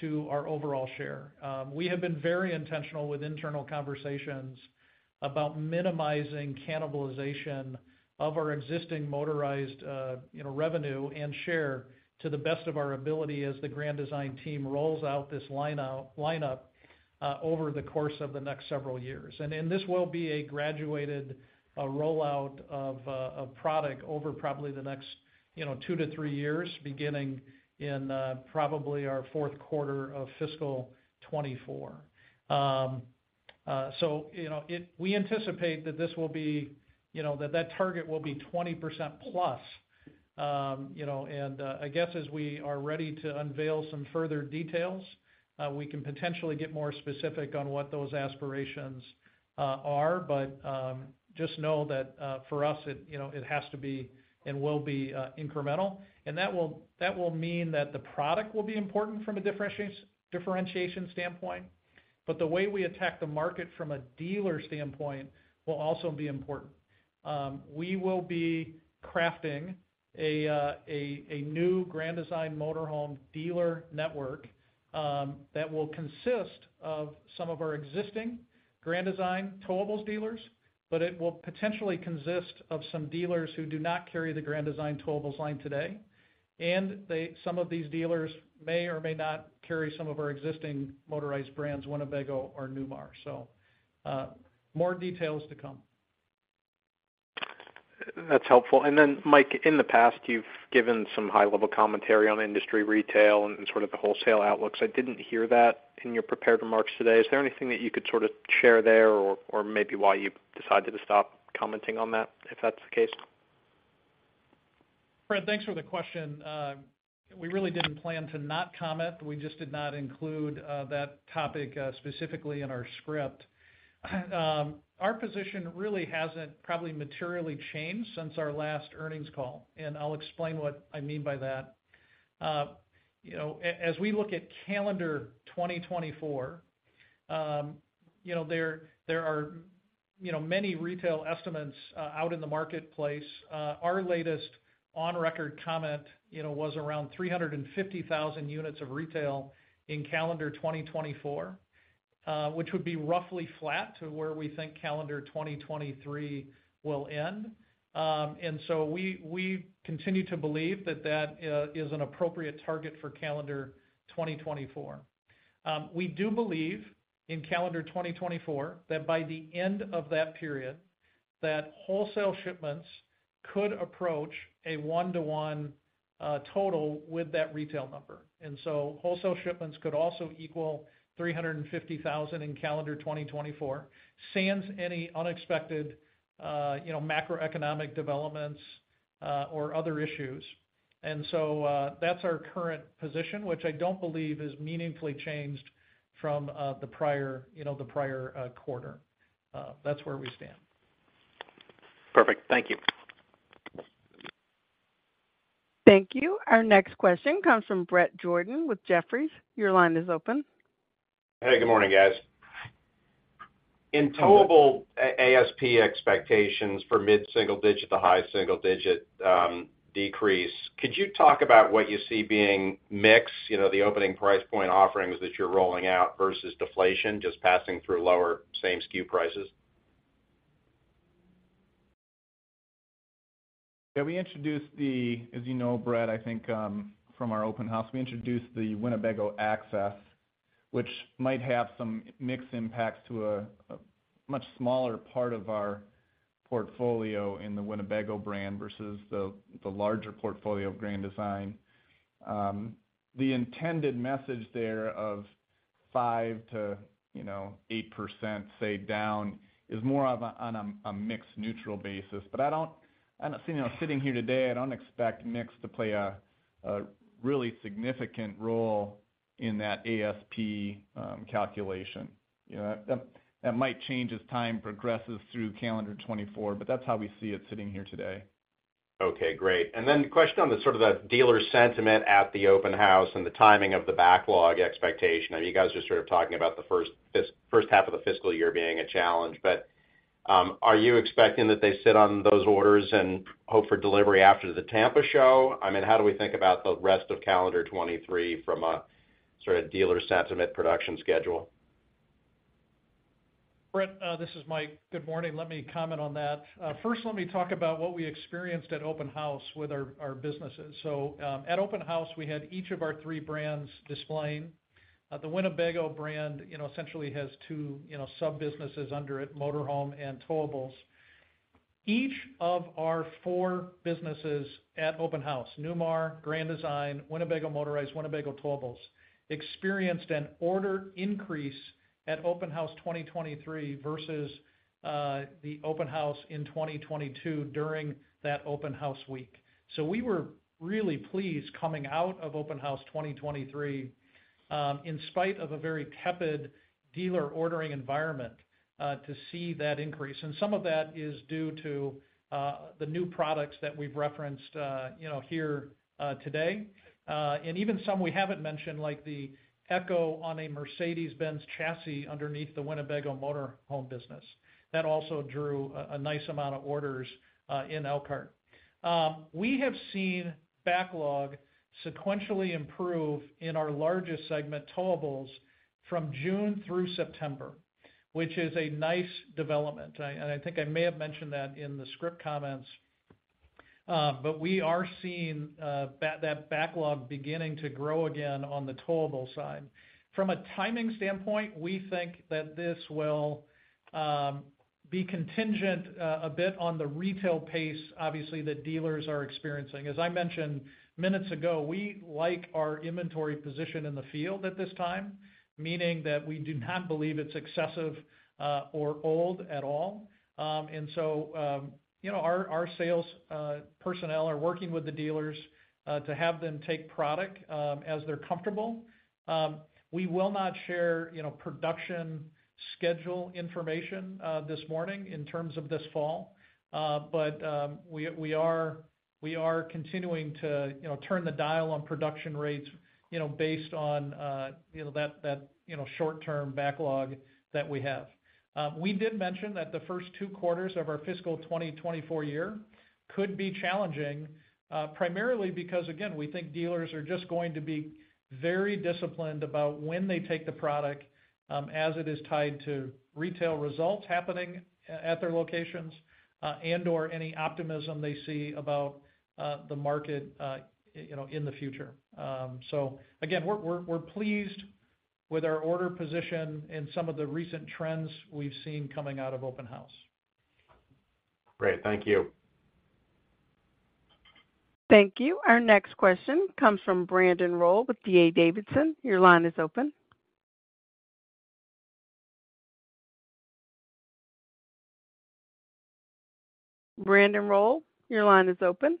to our overall share. We have been very intentional with internal conversations about minimizing cannibalization of our existing motorized, you know, revenue and share to the best of our ability as the Grand Design team rolls out this lineup over the course of the next several years. And this will be a graduated rollout of a product over probably the next, you know, two to three years, beginning in probably our fourth quarter of fiscal 2024. So, you know, it, we anticipate that this will be, you know, that target will be 20%+. You know, and I guess as we are ready to unveil some further details, we can potentially get more specific on what those aspirations are. But just know that for us, it, you know, it has to be and will be incremental. And that will mean that the product will be important from a differentiation standpoint. But the way we attack the market from a dealer standpoint will also be important. We will be crafting a new Grand Design motor home dealer network that will consist of some of our existing Grand Design towables dealers, but it will potentially consist of some dealers who do not carry the Grand Design towables line today, and some of these dealers may or may not carry some of our existing motorized brands, Winnebago or Newmar. So, more details to come. That's helpful. Then, Mike, in the past, you've given some high-level commentary on industry retail and sort of the wholesale outlooks. I didn't hear that in your prepared remarks today. Is there anything that you could sort of share there or, or maybe why you've decided to stop commenting on that, if that's the case? Fred, thanks for the question. We really didn't plan to not comment. We just did not include that topic specifically in our script. Our position really hasn't probably materially changed since our last earnings call, and I'll explain what I mean by that. You know, as we look at calendar 2024, you know, there, there are, you know, many retail estimates out in the marketplace. Our latest on record comment, you know, was around 350,000 units of retail in calendar 2024, which would be roughly flat to where we think calendar 2023 will end. And so we, we continue to believe that that is an appropriate target for calendar 2024. We do believe in calendar 2024, that by the end of that period, that wholesale shipments could approach a 1-to-1 total with that retail number. And so wholesale shipments could also equal 350,000 in calendar 2024, sans any unexpected, you know, macroeconomic developments, or other issues. And so, that's our current position, which I don't believe is meaningfully changed from, the prior, you know, the prior, quarter. That's where we stand. Perfect. Thank you. Thank you. Our next question comes from Bret Jordan with Jefferies. Your line is open. Hey, good morning, guys. In towable ASP expectations for mid-single-digit to high single-digit decrease, could you talk about what you see being mix, you know, the opening price point offerings that you're rolling out versus deflation, just passing through lower, same SKU prices? Yeah, we introduced the, as you know, Brett, I think, from our Open House, we introduced the Winnebago Access, which might have some mix impacts to a much smaller part of our portfolio in the Winnebago brand versus the larger portfolio of Grand Design. The intended message there of 5%-8%, say, down, is more of a on a mix neutral basis. But I don't, I don't see... You know, sitting here today, I don't expect mix to play a really significant role in that ASP calculation. You know, that might change as time progresses through calendar 2024, but that's how we see it sitting here today. Okay, great. And then question on the sort of the dealer sentiment at the Open House and the timing of the backlog expectation. I know you guys are sort of talking about the first first half of the fiscal year being a challenge, but are you expecting that they sit on those orders and hope for delivery after the Tampa show? I mean, how do we think about the rest of calendar 2023 from a sort of dealer sentiment production schedule? Brett, this is Mike. Good morning. Let me comment on that. First, let me talk about what we experienced at Open House with our businesses. So, at Open House, we had each of our three brands displaying. The Winnebago brand, you know, essentially has two, you know, sub-businesses under it, motor home and towables. Each of our four businesses at Open House, Newmar, Grand Design, Winnebago Motorized, Winnebago Towables, experienced an order increase at Open House 2023 versus the Open House in 2022 during that Open House week. So we were really pleased coming out of Open House 2023, in spite of a very tepid dealer ordering environment, to see that increase. And some of that is due to the new products that we've referenced, you know, here today. And even some we haven't mentioned, like the Ekko on a Mercedes-Benz chassis underneath the Winnebago motorhome business. That also drew a nice amount of orders in Elkhart. We have seen backlog sequentially improve in our largest segment, towables, from June through September, which is a nice development. And I think I may have mentioned that in the script comments, but we are seeing that backlog beginning to grow again on the towable side. From a timing standpoint, we think that this will be contingent a bit on the retail pace, obviously, that dealers are experiencing. As I mentioned minutes ago, we like our inventory position in the field at this time, meaning that we do not believe it's excessive or old at all. So, you know, our sales personnel are working with the dealers to have them take product as they're comfortable. We will not share, you know, production schedule information this morning in terms of this fall. But we are continuing to, you know, turn the dial on production rates, you know, based on, you know, that short-term backlog that we have. We did mention that the first two quarters of our fiscal 2024 year could be challenging, primarily because, again, we think dealers are just going to be very disciplined about when they take the product, as it is tied to retail results happening at their locations, and or any optimism they see about the market, you know, in the future. So again, we're pleased with our order position and some of the recent trends we've seen coming out of Open House. Great. Thank you. Thank you. Our next question comes from Brandon Rolle with D.A. Davidson. Your line is open. Brandon Roll, your line is open.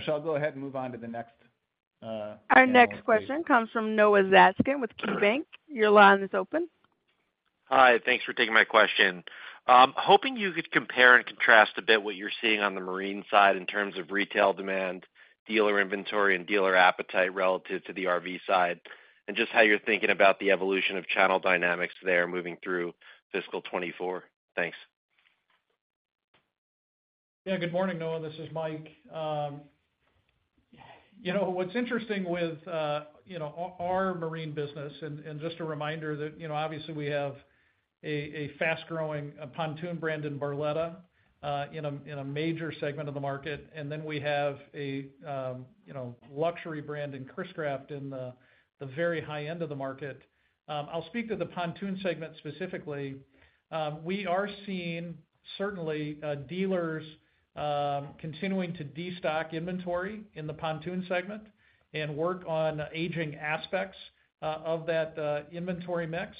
Michelle, go ahead and move on to the next analyst, please. Our next question comes from Noah Zatzkin with KeyBanc. Your line is open. Hi, thanks for taking my question. Hoping you could compare and contrast a bit what you're seeing on the marine side in terms of retail demand, dealer inventory, and dealer appetite relative to the RV side, and just how you're thinking about the evolution of channel dynamics there moving through fiscal 2024? Thanks. Yeah. Good morning, Noah. This is Mike. You know, what's interesting with our marine business, and just a reminder that, you know, obviously, we have a fast-growing pontoon brand in Barletta in a major segment of the market. And then we have a luxury brand in Chris-Craft in the very high end of the market. I'll speak to the pontoon segment specifically. We are seeing certainly dealers continuing to destock inventory in the pontoon segment and work on aging aspects of that inventory mix.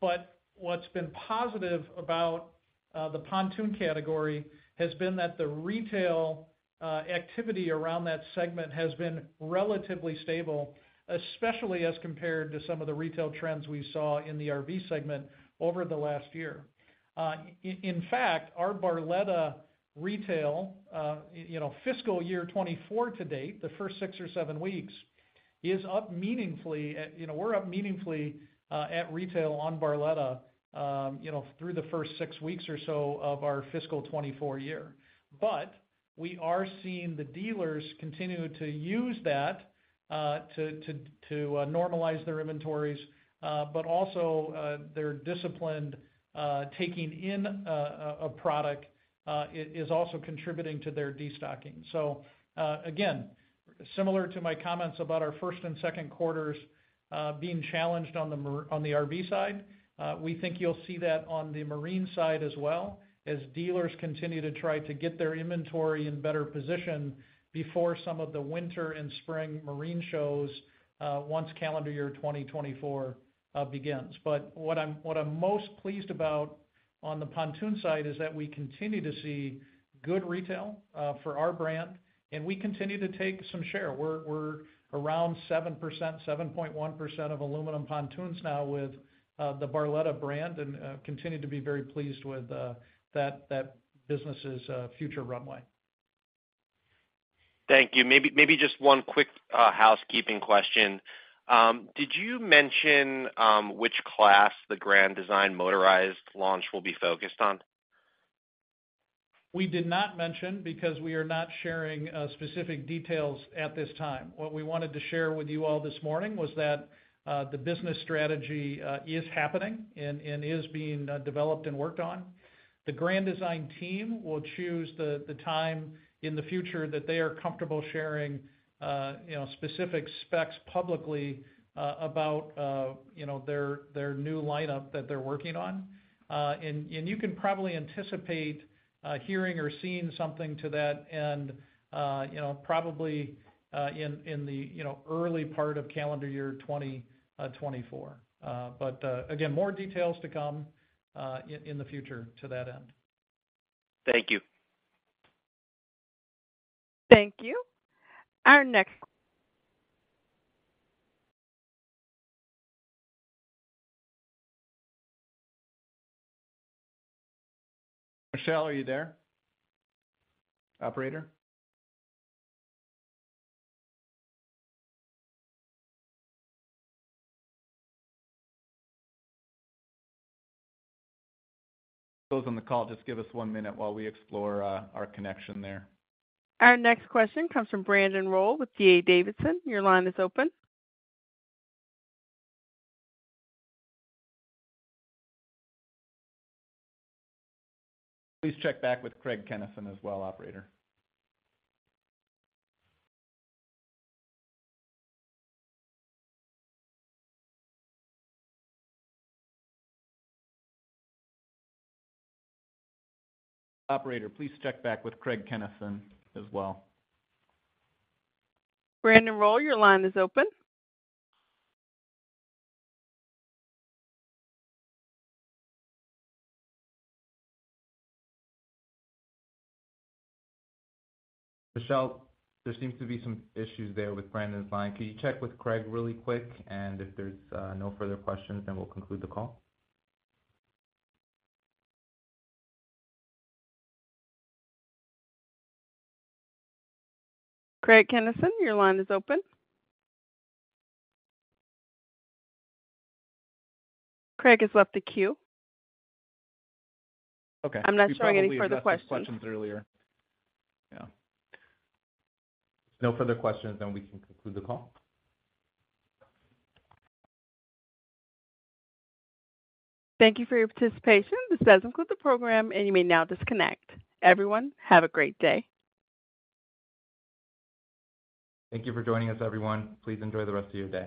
But what's been positive about the pontoon category has been that the retail activity around that segment has been relatively stable, especially as compared to some of the retail trends we saw in the RV segment over the last year. In fact, our Barletta retail, you know, fiscal year 2024 to date, the first six or seven weeks, is up meaningfully. You know, we're up meaningfully at retail on Barletta, you know, through the first six weeks or so of our fiscal 2024 year. But we are seeing the dealers continue to use that to normalize their inventories, but also their disciplined taking in a product is also contributing to their destocking. So, again, similar to my comments about our first and second quarters, being challenged on the RV side, we think you'll see that on the marine side as well, as dealers continue to try to get their inventory in better position before some of the winter and spring marine shows, once calendar year 2024 begins. But what I'm most pleased about on the pontoon side is that we continue to see good retail for our brand, and we continue to take some share. We're around 7%, 7.1% of aluminum pontoons now with the Barletta brand, and continue to be very pleased with that business's future runway. Thank you. Maybe, maybe just one quick, housekeeping question. Did you mention which class the Grand Design motorized launch will be focused on? We did not mention because we are not sharing specific details at this time. What we wanted to share with you all this morning was that the business strategy is happening and is being developed and worked on. The Grand Design team will choose the time in the future that they are comfortable sharing, you know, specific specs publicly about, you know, their new lineup that they're working on. And you can probably anticipate hearing or seeing something to that end, you know, probably in the early part of calendar year 2024. But again, more details to come in the future to that end. Thank you. Thank you. Our next- Michelle, are you there? Operator? Those on the call, just give us one minute while we explore our connection there. Our next question comes from Brandon Roll with D.A. Davidson. Your line is open. Please check back with Craig Kennison as well, operator. Operator, please check back with Craig Kennison as well. Brandon Rolle, your line is open. Michelle, there seems to be some issues there with Brandon's line. Can you check with Craig really quick? If there's no further questions, then we'll conclude the call. Craig Kennison, your line is open. Craig has left the queue. Okay. I'm not showing any further questions. He probably asked his questions earlier. Yeah. No further questions, then we can conclude the call. Thank you for your participation. This does conclude the program, and you may now disconnect. Everyone, have a great day. Thank you for joining us, everyone. Please enjoy the rest of your day.